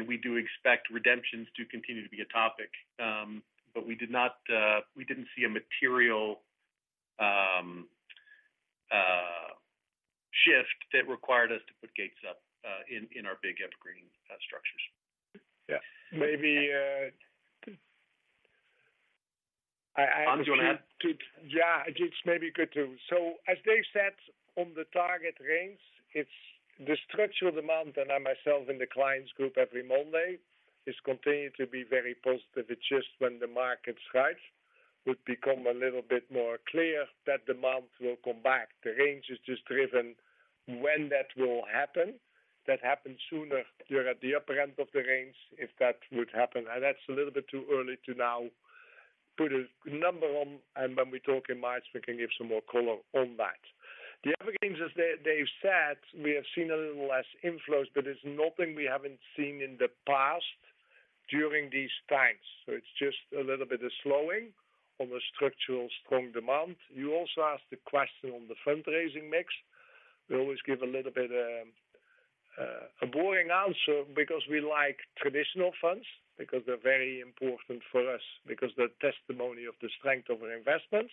We do expect redemptions to continue to be a topic, but we did not, we didn't see a material shift that required us to put gates up in our big Evergreen structures. Yeah. Maybe. I have a few- Hans, you want to add? It's maybe good to. As Dave said, on the target range, it's the structural demand, I myself in the clients group every Monday, is continuing to be very positive. It's just when the market strikes would become a little bit more clear that demand will come back. The range is just driven when that will happen. That happens sooner you're at the upper end of the range, if that would happen. That's a little bit too early to now put a number on. When we talk in March, we can give some more color on that. The other things, as Dave said, we have seen a little less inflows, but it's nothing we haven't seen in the past during these times. It's just a little bit of slowing on the structural strong demand. You also asked the question on the fundraising mix. We always give a little bit, a boring answer because we like traditional funds because they're very important for us, because they're testimony of the strength of our investments.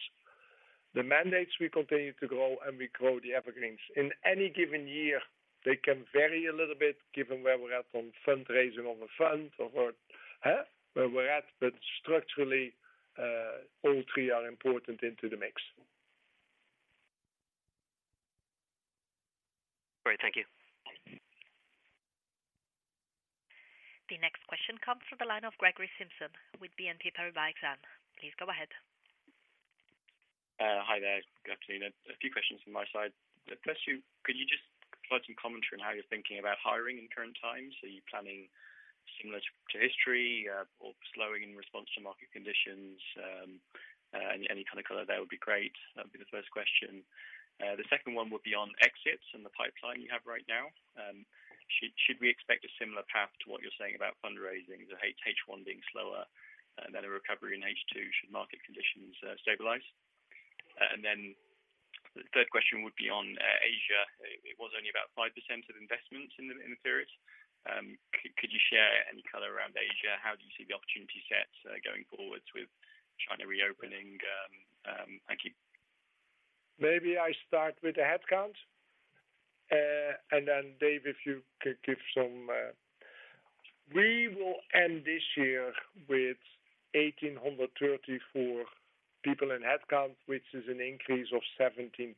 The mandates will continue to grow. We grow the Evergreens. In any given year, they can vary a little bit given where we're at on fundraising of a fund or where we're at. Structurally, all three are important into the mix. Great. Thank you. The next question comes from the line of Gregory Simpson with BNP Paribas Exane. Please go ahead. Hi there. Good afternoon. A few questions from my side. First, could you just provide some commentary on how you're thinking about hiring in current times? Are you planning similar to history, or slowing in response to market conditions? Any kind of color there would be great. That'd be the first question. The second one would be on exits and the pipeline you have right now. Should we expect a similar path to what you're saying about fundraising, so H1 being slower and then a recovery in H2 should market conditions stabilize? The third question would be on Asia. It was only about 5% of investments in the period. Could you share any color around Asia? How do you see the opportunity set going forwards with China reopening? Thank you. Maybe I start with the headcount, and then Dave, if you could give some. We will end this year with 1,834 people in headcount, which is an increase of 17%.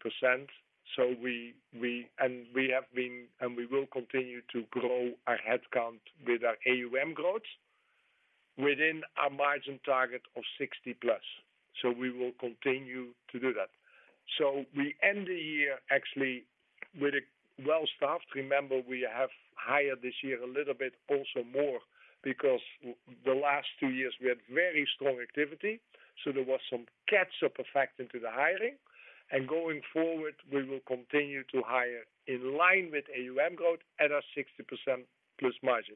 We have been, and we will continue to grow our headcount with our AUM growth within our margin target of 60+. We will continue to do that. We end the year actually with a well-staffed. Remember, we have hired this year a little bit also more because the last two years we had very strong activity, so there was some catch-up effect into the hiring. Going forward, we will continue to hire in line with AUM growth at our 60%+ margin.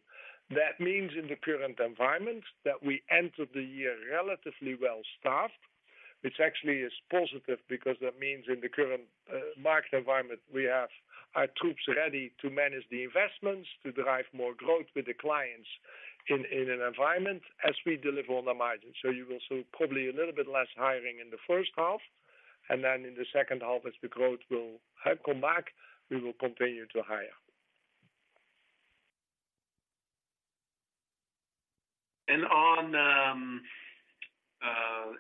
That means in the current environment that we enter the year relatively well-staffed, which actually is positive because that means in the current market environment, we have our troops ready to manage the investments, to drive more growth with the clients in an environment as we deliver on our margins. You will see probably a little bit less hiring in the first half, and then in the second half, as the growth will have come back, we will continue to hire. On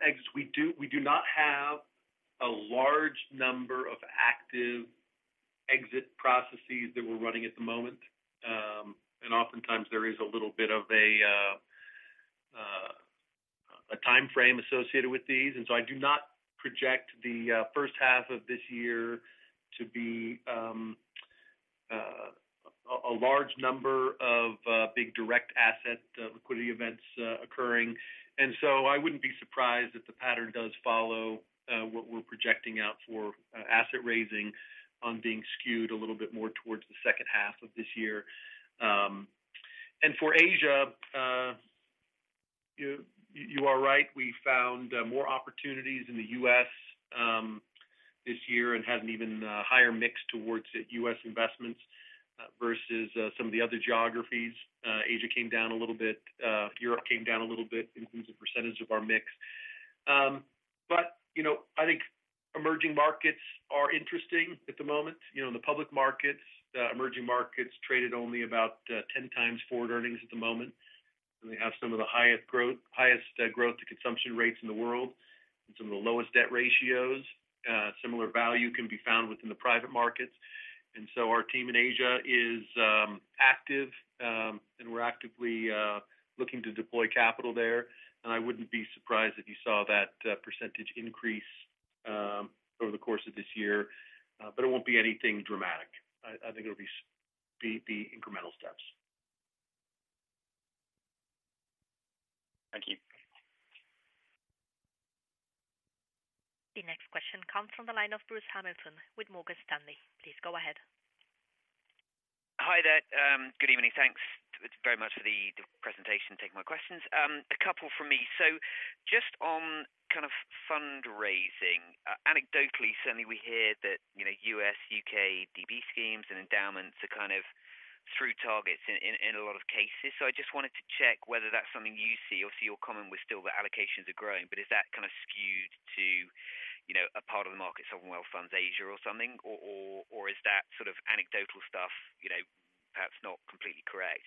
exits, we do not have a large number of active exit processes that we're running at the moment. Oftentimes there is a little bit of a timeframe associated with these. I do not project the first half of this year to be a large number of big direct asset liquidity events occurring. I wouldn't be surprised if the pattern does follow what we're projecting out for asset raising on being skewed a little bit more towards the second half of this year. For Asia, you are right. We found more opportunities in the US this year and had an even higher mix towards US investments versus some of the other geographies. Asia came down a little bit, Europe came down a little bit in terms of percentage of our mix. You know, I think emerging markets are interesting at the moment. You know, in the public markets, emerging markets traded only about 10 times forward earnings at the moment. They have some of the highest growth, highest growth to consumption rates in the world and some of the lowest debt ratios. Similar value can be found within the private markets. So our team in Asia is active, and we're actively looking to deploy capital there. I wouldn't be surprised if you saw that percentage increase over the course of this year, but it won't be anything dramatic. I think it'll be incremental steps. Thank you. The next question comes from the line of Bruce Hamilton with Morgan Stanley. Please go ahead. Hi there. Good evening. Thanks very much for the presentation, taking my questions. A couple from me. Just on kind of fundraising, anecdotally, certainly we hear that, you know, U.S., U.K. DB schemes and endowments are kind of through targets in a lot of cases. I just wanted to check whether that's something you see or comment with still the allocations are growing, but is that kind of skewed to, you know, a part of the market, sovereign wealth funds, Asia or something? Or is that sort of anecdotal stuff, you know, perhaps not completely correct.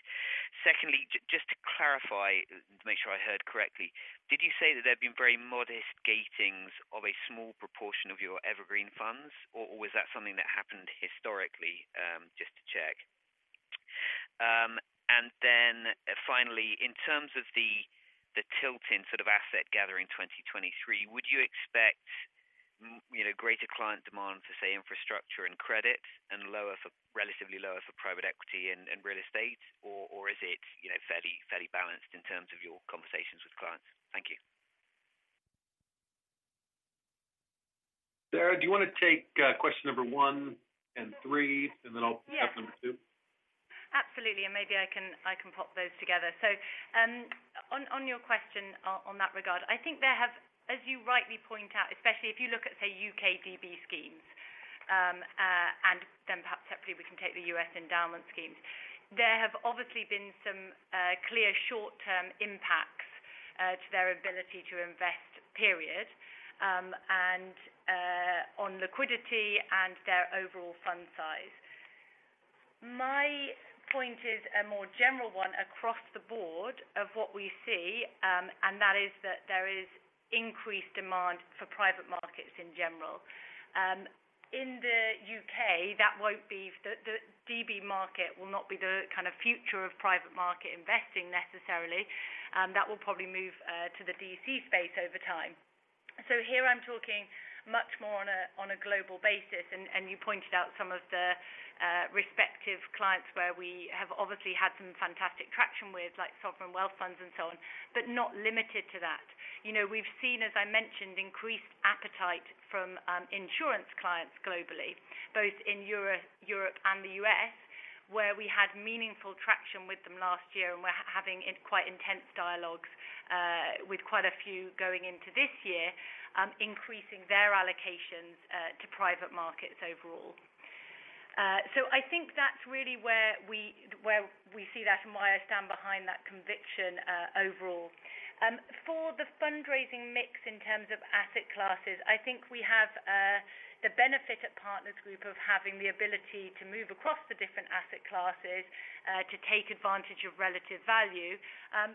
Secondly, just to clarify, make sure I heard correctly, did you say that there have been very modest gatings of a small proportion of your evergreen funds, or was that something that happened historically, just to check. Finally, in terms of the tilt in sort of asset gathering 2023, would you expect, you know, greater client demand for, say, infrastructure and credit and relatively lower for private equity and real estate, or is it, you know, fairly balanced in terms of your conversations with clients? Thank you. Sarah, do you wanna take question number one and three, and then I'll pick up number two? Absolutely. Maybe I can, I can pop those together. On your question on that regard, I think there have, as you rightly point out, especially if you look at, say, U.K. DB schemes, and then perhaps separately we can take the U.S. endowment schemes. There have obviously been some clear short-term impacts to their ability to invest, period, on liquidity and their overall fund size. My point is a more general one across the board of what we see, that is that there is increased demand for private markets in general. In the U.K., that won't be the DB market will not be the kind of future of private market investing necessarily. That will probably move to the DC space over time. Here I'm talking much more on a global basis, and you pointed out some of the respective clients where we have obviously had some fantastic traction with, like sovereign wealth funds and so on. Not limited to that. You know, we've seen, as I mentioned, increased appetite from insurance clients globally, both in Europe and the U.S., where we had meaningful traction with them last year and we're having quite intense dialogues with quite a few going into this year, increasing their allocations to private markets overall. I think that's really where we, where we see that and why I stand behind that conviction overall. For the fundraising mix in terms of asset classes, I think we have the benefit at Partners Group of having the ability to move across the different asset classes to take advantage of relative value.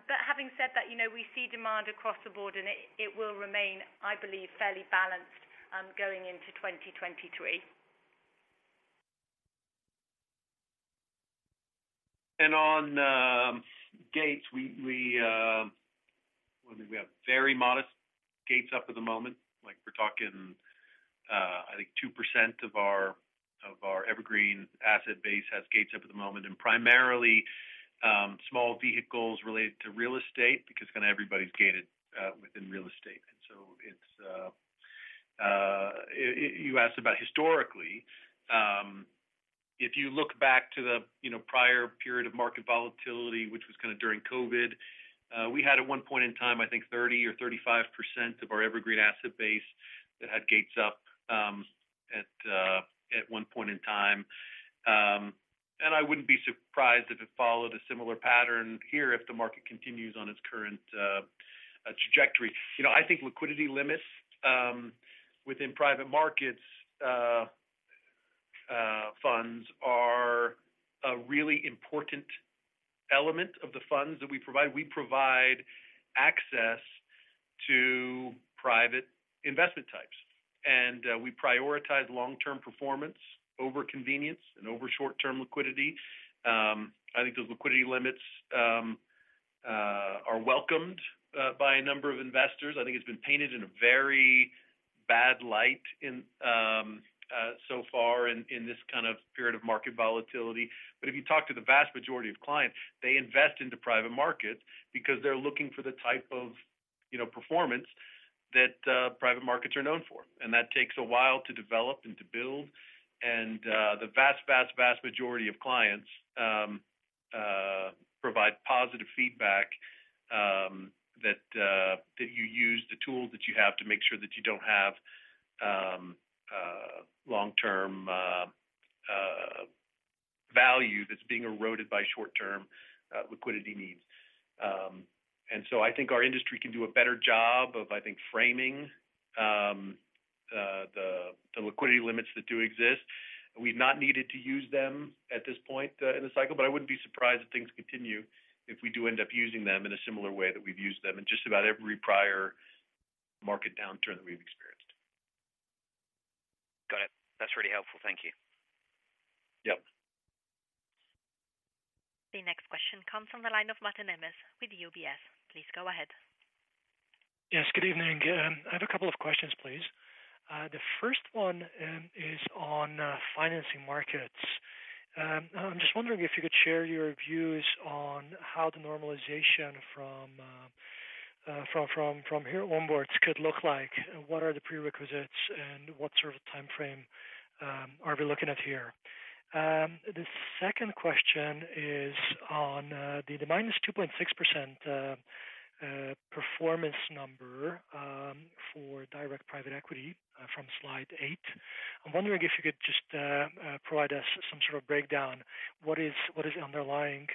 Having said that, you know, we see demand across the board and it will remain, I believe, fairly balanced, going into 2023. On gates, we have very modest gates up at the moment. Like we're talking, I think 2% of our evergreen asset base has gates up at the moment. Primarily, small vehicles related to real estate because kinda everybody's gated within real estate. You asked about historically. If you look back to the, you know, prior period of market volatility, which was kinda during COVID, we had at one point in time, I think 30% or 35% of our evergreen asset base that had gates up at one point in time. I wouldn't be surprised if it followed a similar pattern here if the market continues on its current trajectory. You know, I think liquidity limits within private markets funds are a really important element of the funds that we provide. We provide access to private investment types. We prioritize long-term performance over convenience and over short-term liquidity. I think those liquidity limits are welcomed by a number of investors. I think it's been painted in a very bad light so far in this kind of period of market volatility. If you talk to the vast majority of clients, they invest into private markets because they're looking for the type of, you know, performance that private markets are known for, and that takes a while to develop and to build. The vast, vast majority of clients provide positive feedback that you use the tools that you have to make sure that you don't have long-term value that's being eroded by short-term liquidity needs. So I think our industry can do a better job of, I think, framing the liquidity limits that do exist. We've not needed to use them at this point in the cycle, but I wouldn't be surprised if things continue if we do end up using them in a similar way that we've used them in just about every prior market downturn that we've experienced. Got it. That's really helpful. Thank you. Yep. The next question comes from the line of Martin Emmet with UBS. Please go ahead. Yes, good evening. I have a couple of questions, please. The first one is on financing markets. I'm just wondering if you could share your views on how the normalization from here onwards could look like, what are the prerequisites, and what sort of timeframe are we looking at here? The second question is on the -2.6% performance number for direct private equity from slide eight. I'm wondering if you could just provide us some sort of breakdown. What is underlying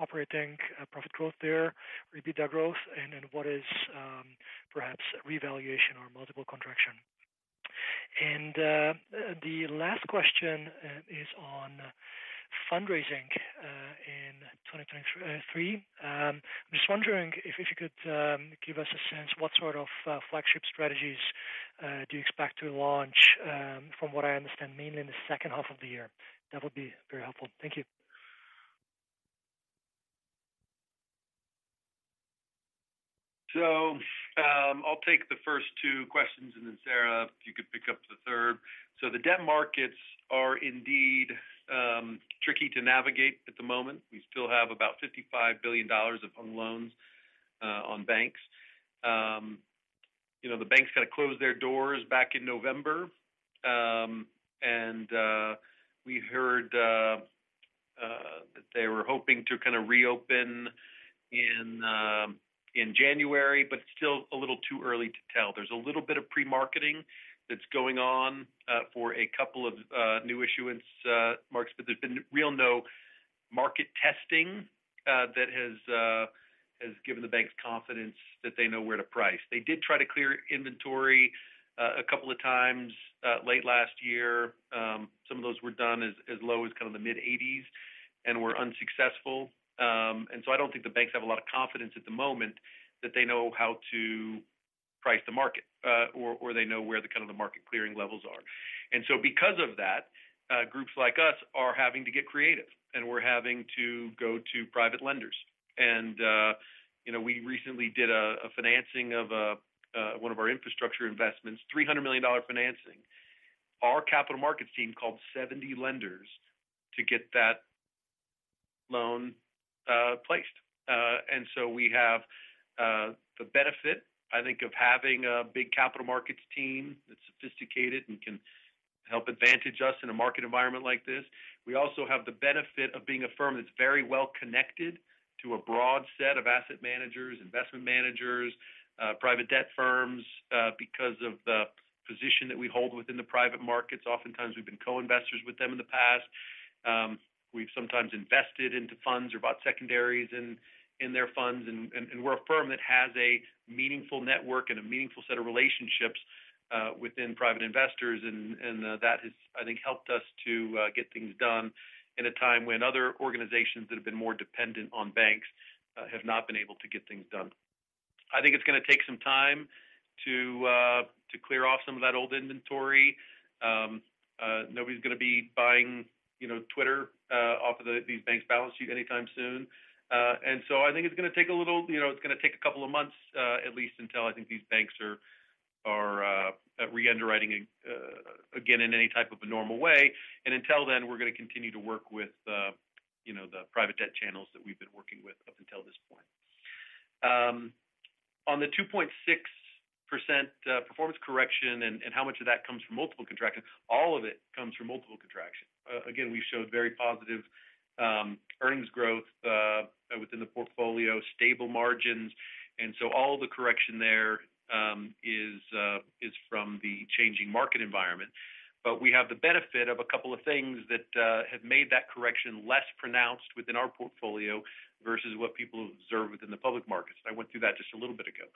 operating profit growth there, repeat that growth, and what is perhaps revaluation or multiple contraction? The last question is on fundraising in 2023. I'm just wondering if you could give us a sense, what sort of flagship strategies do you expect to launch from what I understand, mainly in the second half of the year? That would be very helpful. Thank you. I'll take the first two questions, and then Sarah, if you could pick up the third. The debt markets are indeed tricky to navigate at the moment. We still have about $55 billion of home loans on banks. You know, the banks kind of closed their doors back in November, and we heard that they were hoping to kinda reopen in January, but still a little too early to tell. There's a little bit of pre-marketing that's going on for a couple of new issuance markets, but there's been real no market testing that has given the banks confidence that they know where to price. They did try to clear inventory a couple of times late last year. Some of those were done as low as kind of the mid-80s and were unsuccessful. I don't think the banks have a lot of confidence at the moment that they know how to price the market, or they know where the kind of the market clearing levels are. Because of that, groups like us are having to get creative, and we're having to go to private lenders. You know, we recently did a financing of one of our infrastructure investments, a $300 million financing. Our capital markets team called 70 lenders to get that loan placed. We have the benefit, I think, of having a big capital markets team that's sophisticated and can help advantage us in a market environment like this. We also have the benefit of being a firm that's very well connected to a broad set of asset managers, investment managers, private debt firms, because of the position that we hold within the private markets. Oftentimes we've been co-investors with them in the past. We've sometimes invested into funds or bought secondaries in their funds. We're a firm that has a meaningful network and a meaningful set of relationships within private investors, and that has, I think, helped us to get things done in a time when other organizations that have been more dependent on banks, have not been able to get things done. I think it's gonna take some time to clear off some of that old inventory. Nobody's gonna be buying, you know, X, off of these banks' balance sheets anytime soon. I think it's gonna take a little, you know, it's gonna take a couple of months, at least until I think these banks are re-underwriting again in any type of a normal way. Until then, we're gonna continue to work with, you know, the private debt channels that we've been working with up until this point. On the 2.6% performance correction and how much of that comes from multiple contraction, all of it comes from multiple contraction. Again, we showed very positive earnings growth within the portfolio, stable margins, and so all the correction there is from the changing market environment. We have the benefit of a couple of things that have made that correction less pronounced within our portfolio versus what people observe within the public markets. I went through that just a little bit ago.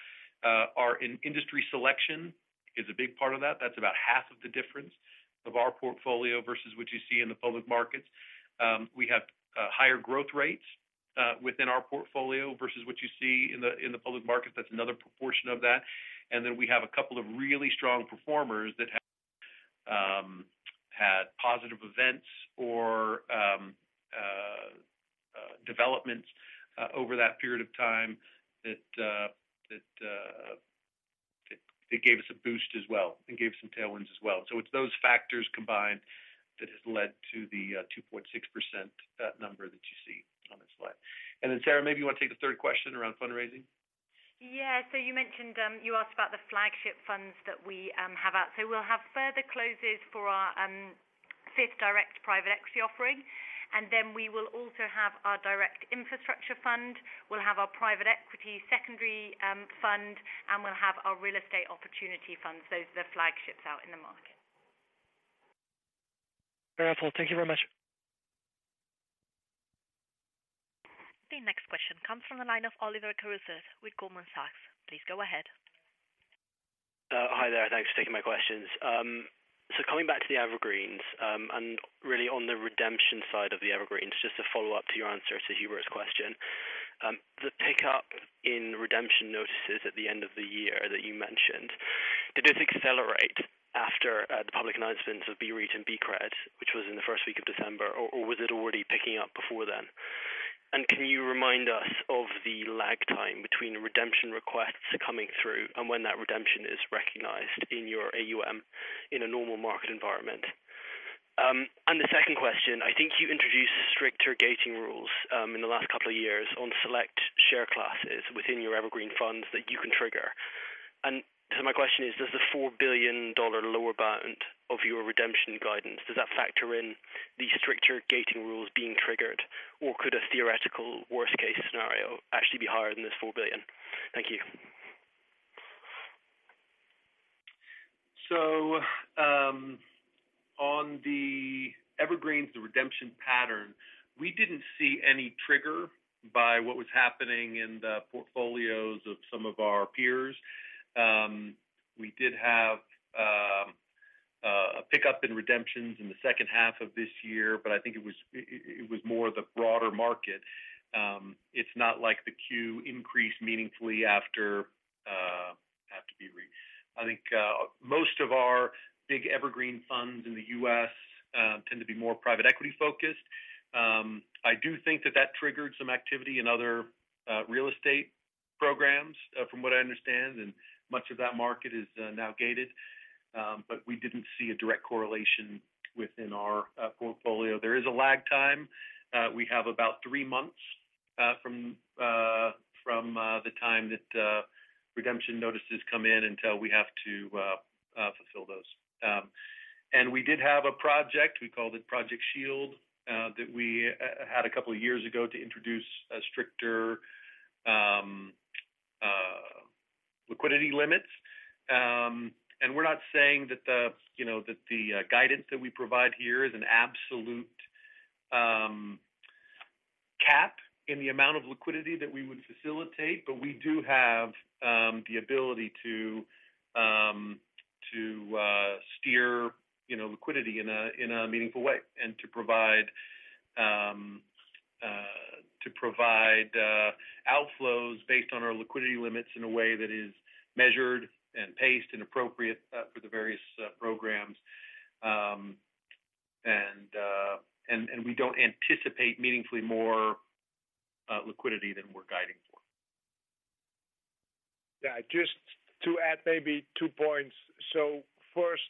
Our in-industry selection is a big part of that. That's about half of the difference of our portfolio versus what you see in the public markets. We have higher growth rates within our portfolio versus what you see in the public markets. That's another proportion of that. Then we have a couple of really strong performers that have had positive events or developments over that period of time that gave us a boost as well and gave us some tailwinds as well. It's those factors combined that has led to the 2.6% number that you see on the slide. Sarah, maybe you wanna take the third question around fundraising. Yeah. You mentioned, you asked about the flagship funds that we have out. We'll have further closes for our fifth direct private equity offering, and then we will also have our direct infrastructure fund. We'll have our private equity secondary fund, and we'll have our real estate opportunity funds. Those are the flagships out in the market. Very helpful. Thank you very much. The next question comes from the line of Oliver Carruthers with Goldman Sachs. Please go ahead. Hi there. Thanks for taking my questions. Coming back to the evergreens, and really on the redemption side of the evergreens, just to follow up to your answer to Hubert's question. The pickup in redemption notices at the end of the year that you mentioned, did this accelerate? After the public announcements of BREIT and BCRED, which was in the 1st week of December, or was it already picking up before then? Can you remind us of the lag time between redemption requests coming through and when that redemption is recognized in your AUM in a normal market environment? The second question, I think you introduced stricter gating rules in the last couple of years on select share classes within your Evergreen Funds that you can trigger. My question is, does the $4 billion lower bound of your redemption guidance, does that factor in the stricter gating rules being triggered, or could a theoretical worst-case scenario actually be higher than this $4 billion? Thank you. On the Evergreens, the redemption pattern, we didn't see any trigger by what was happening in the portfolios of some of our peers. We did have a pickup in redemptions in the second half of this year, but I think it was more the broader market. It's not like the queue increased meaningfully after BREIT. I think, most of our big Evergreen funds in the U.S. tend to be more private equity-focused. I do think that that triggered some activity in other real estate programs, from what I understand, and much of that market is now gated. We didn't see a direct correlation within our portfolio. There is a lag time. We have about three months from the time that redemption notices come in until we have to fulfill those. We did have a project, we called it Project Shield, that we had a couple of years ago to introduce stricter liquidity limits. We're not saying that the, you know, that the guidance that we provide here is an absolute cap in the amount of liquidity that we would facilitate, but we do have the ability to steer, you know, liquidity in a meaningful way and to provide outflows based on our liquidity limits in a way that is measured and paced and appropriate for the various programs. We don't anticipate meaningfully more liquidity than we're guiding for. Yeah. Just to add maybe two points. First,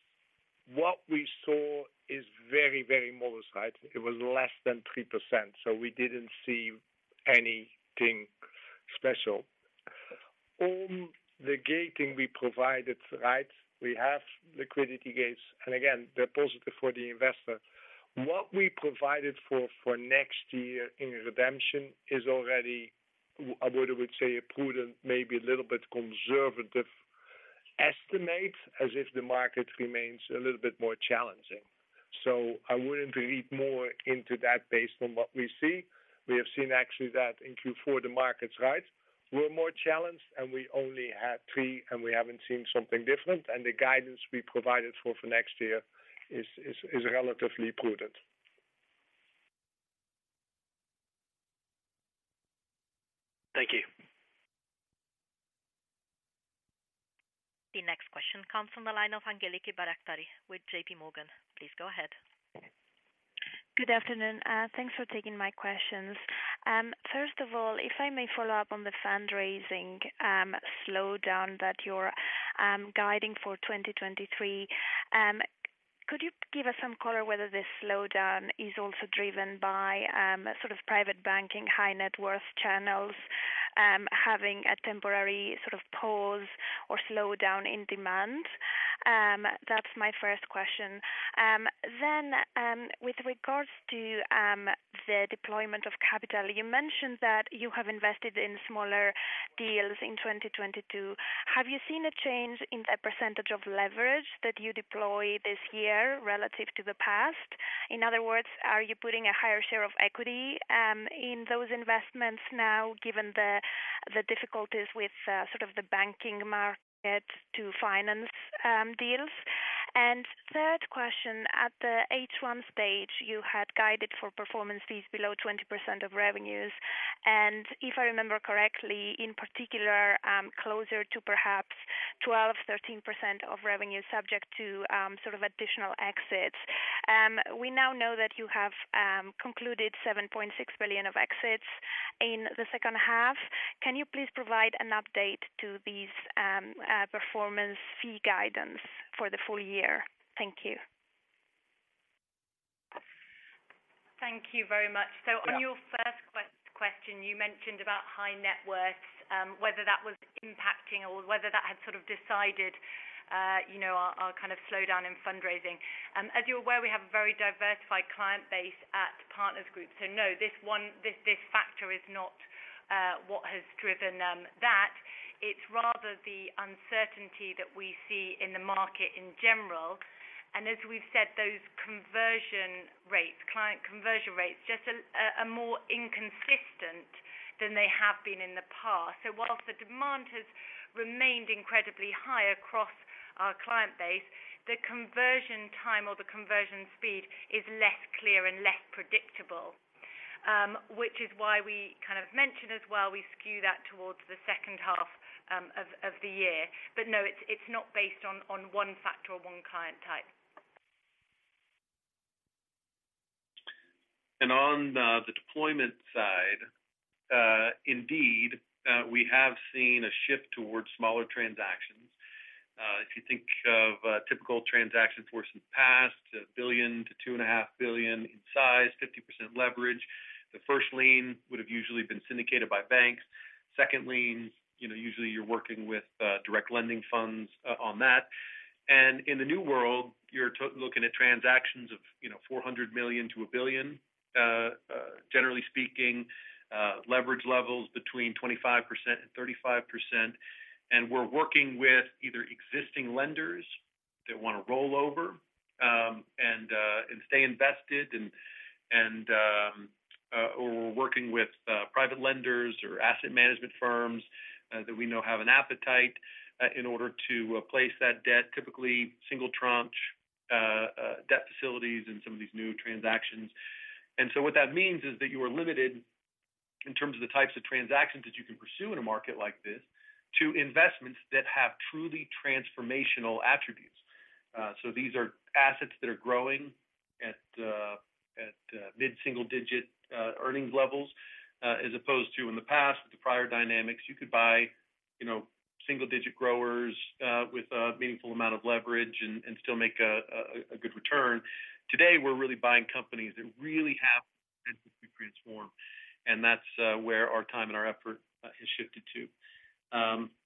what we saw is very modest, right? It was less than 3%, so we didn't see anything special. On the gating we provided, right, we have liquidity gates, and again, they're positive for the investor. What we provided for next year in redemption is already, I would say a prudent, maybe a little bit conservative estimate as if the market remains a little bit more challenging. I wouldn't read more into that based on what we see. We have seen actually that in Q4, the markets, right, were more challenged, and we only had three, and we haven't seen something different. The guidance we provided for next year is relatively prudent. Thank you. The next question comes from the line of Angeliki Bairaktari with JPMorgan. Please go ahead. Good afternoon. Thanks for taking my questions. First of all, if I may follow up on the fundraising slowdown that you're guiding for 2023, could you give us some color whether this slowdown is also driven by sort of private banking, high net worth channels, having a temporary sort of pause or slowdown in demand? That's my first question. With regards to the deployment of capital, you mentioned that you have invested in smaller deals in 2022. Have you seen a change in the percentage of leverage that you deploy this year relative to the past? In other words, are you putting a higher share of equity in those investments now, given the difficulties with sort of the banking market to finance deals? Third question, at the H1 stage, you had guided for performance fees below 20% of revenues. If I remember correctly, in particular, closer to perhaps 12%-13% of revenue subject to additional exits. We now know that you have concluded $7.6 billion of exits in the second half. Can you please provide an update to these performance fee guidance for the full year? Thank you. Thank you very much. Yeah. On your first question, you mentioned about high net worth, whether that was impacting or whether that had sort of decided, you know, our kind of slowdown in fundraising. As you're aware, we have a very diversified client base at Partners Group. No, this one, this factor is not what has driven that. It's rather the uncertainty that we see in the market in general. As we've said, those conversion rates, client conversion rates are more inconsistent than they have been in the past. Whilst the demand has remained incredibly high across our client base, the conversion time or the conversion speed is less clear and less predictable. Which is why we kind of mentioned as well, we skew that towards the second half of the year. No, it's not based on one factor or one client type. On the deployment side, indeed, we have seen a shift towards smaller transactions. If you think of a typical transaction for us in the past, $1 billion-$2.5 billion in size, 50% leverage. The first lien would have usually been syndicated by banks. Second lien, you know, usually you're working with direct lending funds on that. In the new world, you're looking at transactions of, you know, $400 million-$1 billion, generally speaking, leverage levels between 25% and 35%. We're working with either existing lenders that wanna roll over and stay invested or working with private lenders or asset management firms that we know have an appetite in order to place that debt, typically single tranche debt facilities in some of these new transactions. What that means is that you are limited in terms of the types of transactions that you can pursue in a market like this to investments that have truly transformational attributes. These are assets that are growing at mid-single digit earnings levels as opposed to in the past with the prior dynamics. You could buy, you know, single digit growers with a meaningful amount of leverage and still make a good return. Today, we're really buying companies that really have to be transformed, and that's where our time and our effort has shifted to.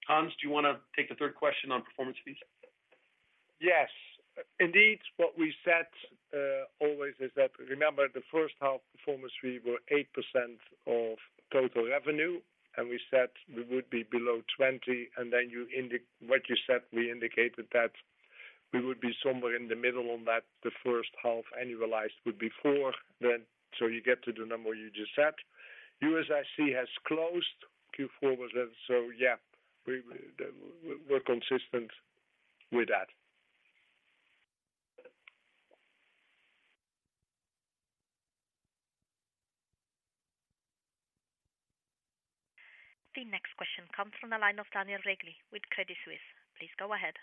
Hans, do you wanna take the third question on performance fees? Yes. Indeed, what we said, always is that remember the first half performance fee were 8% of total revenue, and we said we would be below 20. You what you said, we indicated that we would be somewhere in the middle on that. The first half annualized would be four then. You get to the number you just said. USIC has closed Q4. Yeah, we're consistent with that. The next question comes from the line of Daniel Regli with Credit Suisse. Please go ahead.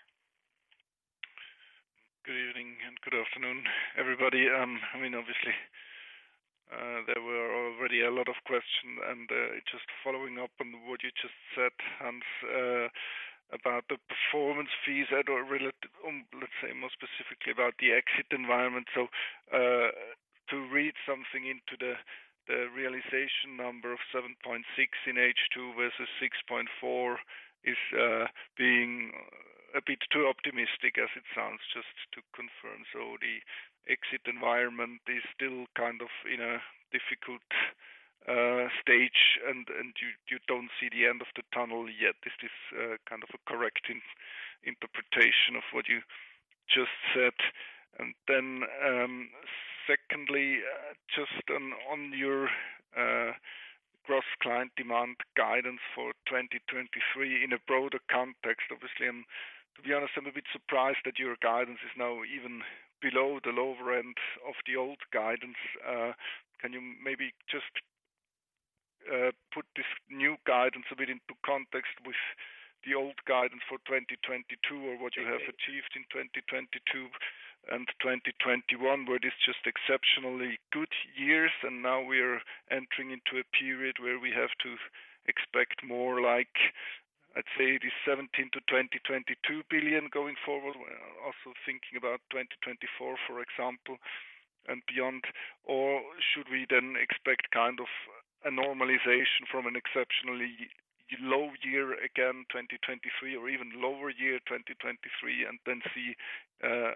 Good evening and good afternoon, everybody. I mean, obviously, there were already a lot of questions, just following up on what you just said, Hans, about the performance fees that are related... Let's say more specifically about the exit environment. To read something into the realization number of 7.6 in H2 versus 6.4 is being a bit too optimistic as it sounds, just to confirm. The exit environment is still kind of in a difficult stage, and you don't see the end of the tunnel yet. Is this kind of a correct interpretation of what you just said? Secondly, just on your gross client demand guidance for 2023 in a broader context, obviously. To be honest, I'm a bit surprised that your guidance is now even below the lower end of the old guidance. Can you maybe just put this new guidance a bit into context with the old guidance for 2022 or what you have achieved in 2022 and 2021, where it is just exceptionally good years, and now we're entering into a period where we have to expect more like, let's say, the $17 billion-$22 billion going forward. We're also thinking about 2024, for example, and beyond. Should we then expect kind of a normalization from an exceptionally low year, again, 2023, or even lower year, 2023, and then see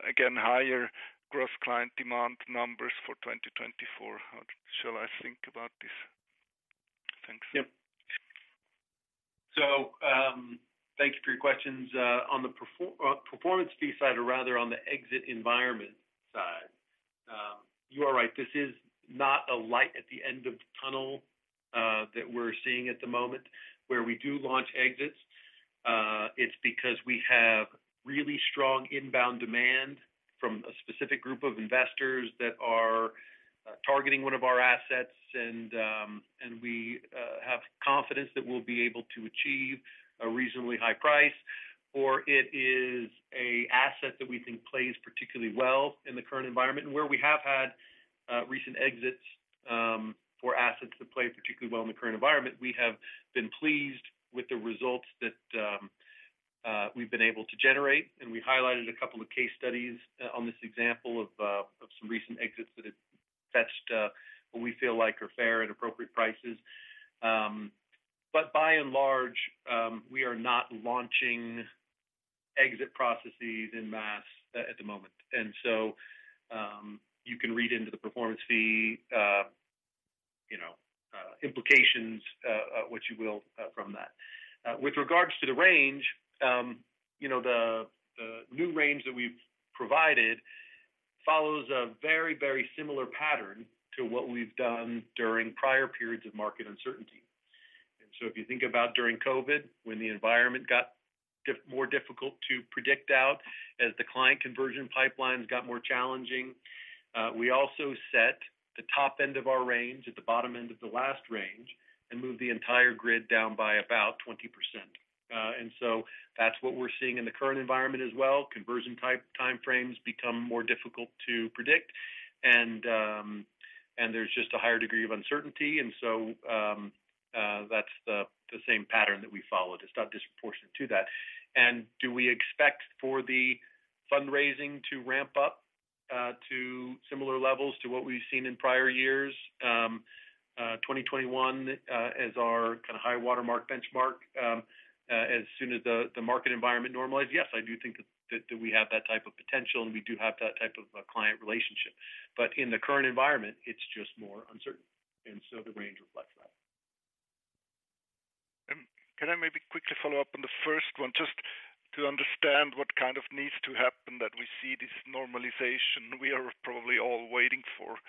again, higher gross client demand numbers for 2024? How shall I think about this? Thanks. Yep. Thank you for your questions. On the performance fee side, or rather on the exit environment side, you are right. This is not a light at the end of the tunnel that we're seeing at the moment. Where we do launch exits, it's because we have really strong inbound demand from a specific group of investors that are targeting one of our assets. And we have confidence that we'll be able to achieve a reasonably high price, or it is a asset that we think plays particularly well in the current environment. Where we have had recent exits for assets that play particularly well in the current environment, we have been pleased with the results that we've been able to generate. We highlighted a couple of case studies, on this example of some recent exits that have fetched, what we feel like are fair at appropriate prices. By and large, we are not launching exit processes en masse at the moment. You can read into the performance fee, you know, implications, what you will, from that. With regards to the range, you know, the new range that we've provided follows a very, very similar pattern to what we've done during prior periods of market uncertainty. If you think about during COVID, when the environment got more difficult to predict out as the client conversion pipelines got more challenging, we also set the top end of our range at the bottom end of the last range and moved the entire grid down by about 20%. That's what we're seeing in the current environment as well. Conversion type timeframes become more difficult to predict. There's just a higher degree of uncertainty. That's the same pattern that we followed. It's not disproportionate to that. Do we expect for the fundraising to ramp up to similar levels to what we've seen in prior years, 2021 as our kind of high-water mark benchmark as soon as the market environment normalizes? Yes, I do think that we have that type of potential, and we do have that type of a client relationship. In the current environment, it's just more uncertain, and so the range reflects that. Can I maybe quickly follow up on the first one, just to understand what kind of needs to happen that we see this normalization we are probably all waiting for?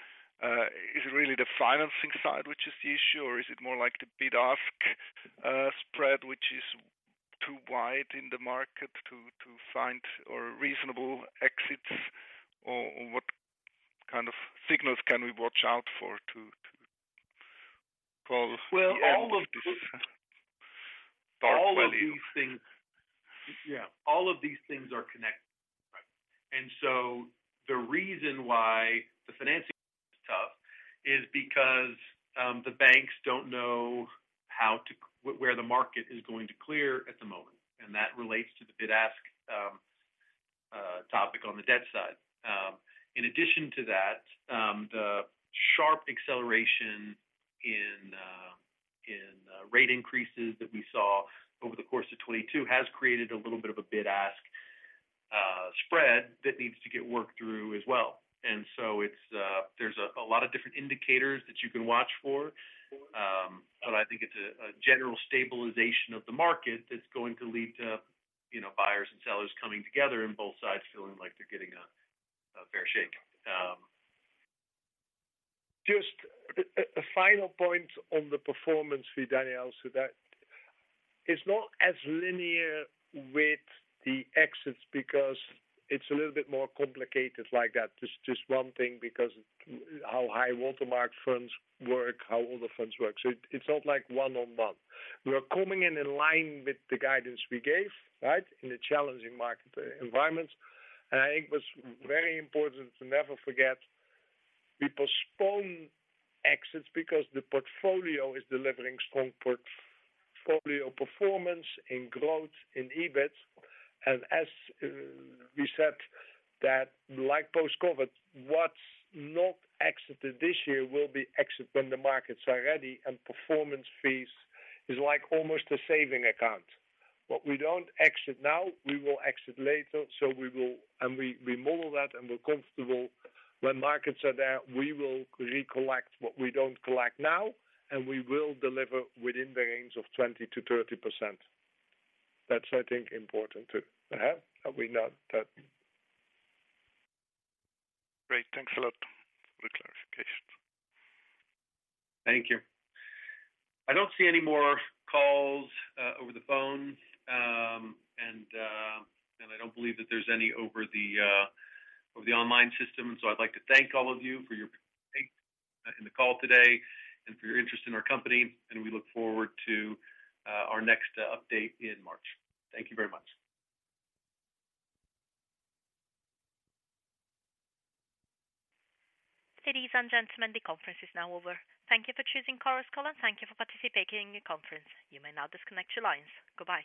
Is it really the financing side which is the issue, or is it more like the bid-ask spread, which is too wide in the market to find or reasonable exits? Or what kind of signals can we watch out for to call the end... Well, all of these- dark 20. All of these things... Yeah, all of these things are connected. Right. The reason why the financing is tough is because the banks don't know where the market is going to clear at the moment, and that relates to the bid-ask topic on the debt side. In addition to that, the sharp acceleration in rate increases that we saw over the course of 2022 has created a little bit of a bid-ask spread that needs to get worked through as well. It's there's a lot of different indicators that you can watch for. But I think it's a general stabilization of the market that's going to lead to, you know, buyers and sellers coming together and both sides feeling like they're getting a fair shake. Just a final point on the performance fee, Daniel, so that it's not as linear with the exits because it's a little bit more complicated like that. Just one thing, because how high-water mark funds work, how all the funds work. It's not like one on one. We are coming in in line with the guidance we gave, right? In a challenging market environment. I think it was very important to never forget we postpone exits because the portfolio is delivering strong portfolio performance in growth, in EBIT. As we said that, like post-COVID, what's not exited this year will be exit when the markets are ready and performance fees is like almost a saving account. What we don't exit now, we will exit later. We model that, and we're comfortable when markets are there, we will recollect what we don't collect now, and we will deliver within the range of 20%-30%. That's, I think, important to have. Are we not that? Great. Thanks a lot for the clarification. Thank you. I don't see any more calls over the phone. I don't believe that there's any over the online system. I'd like to thank all of you for your In the call today and for your interest in our company, and we look forward to our next update in March. Thank you very much. Ladies and gentlemen, the conference is now over. Thank you for choosing Chorus Call, and thank you for participating in the conference. You may now disconnect your lines. Goodbye.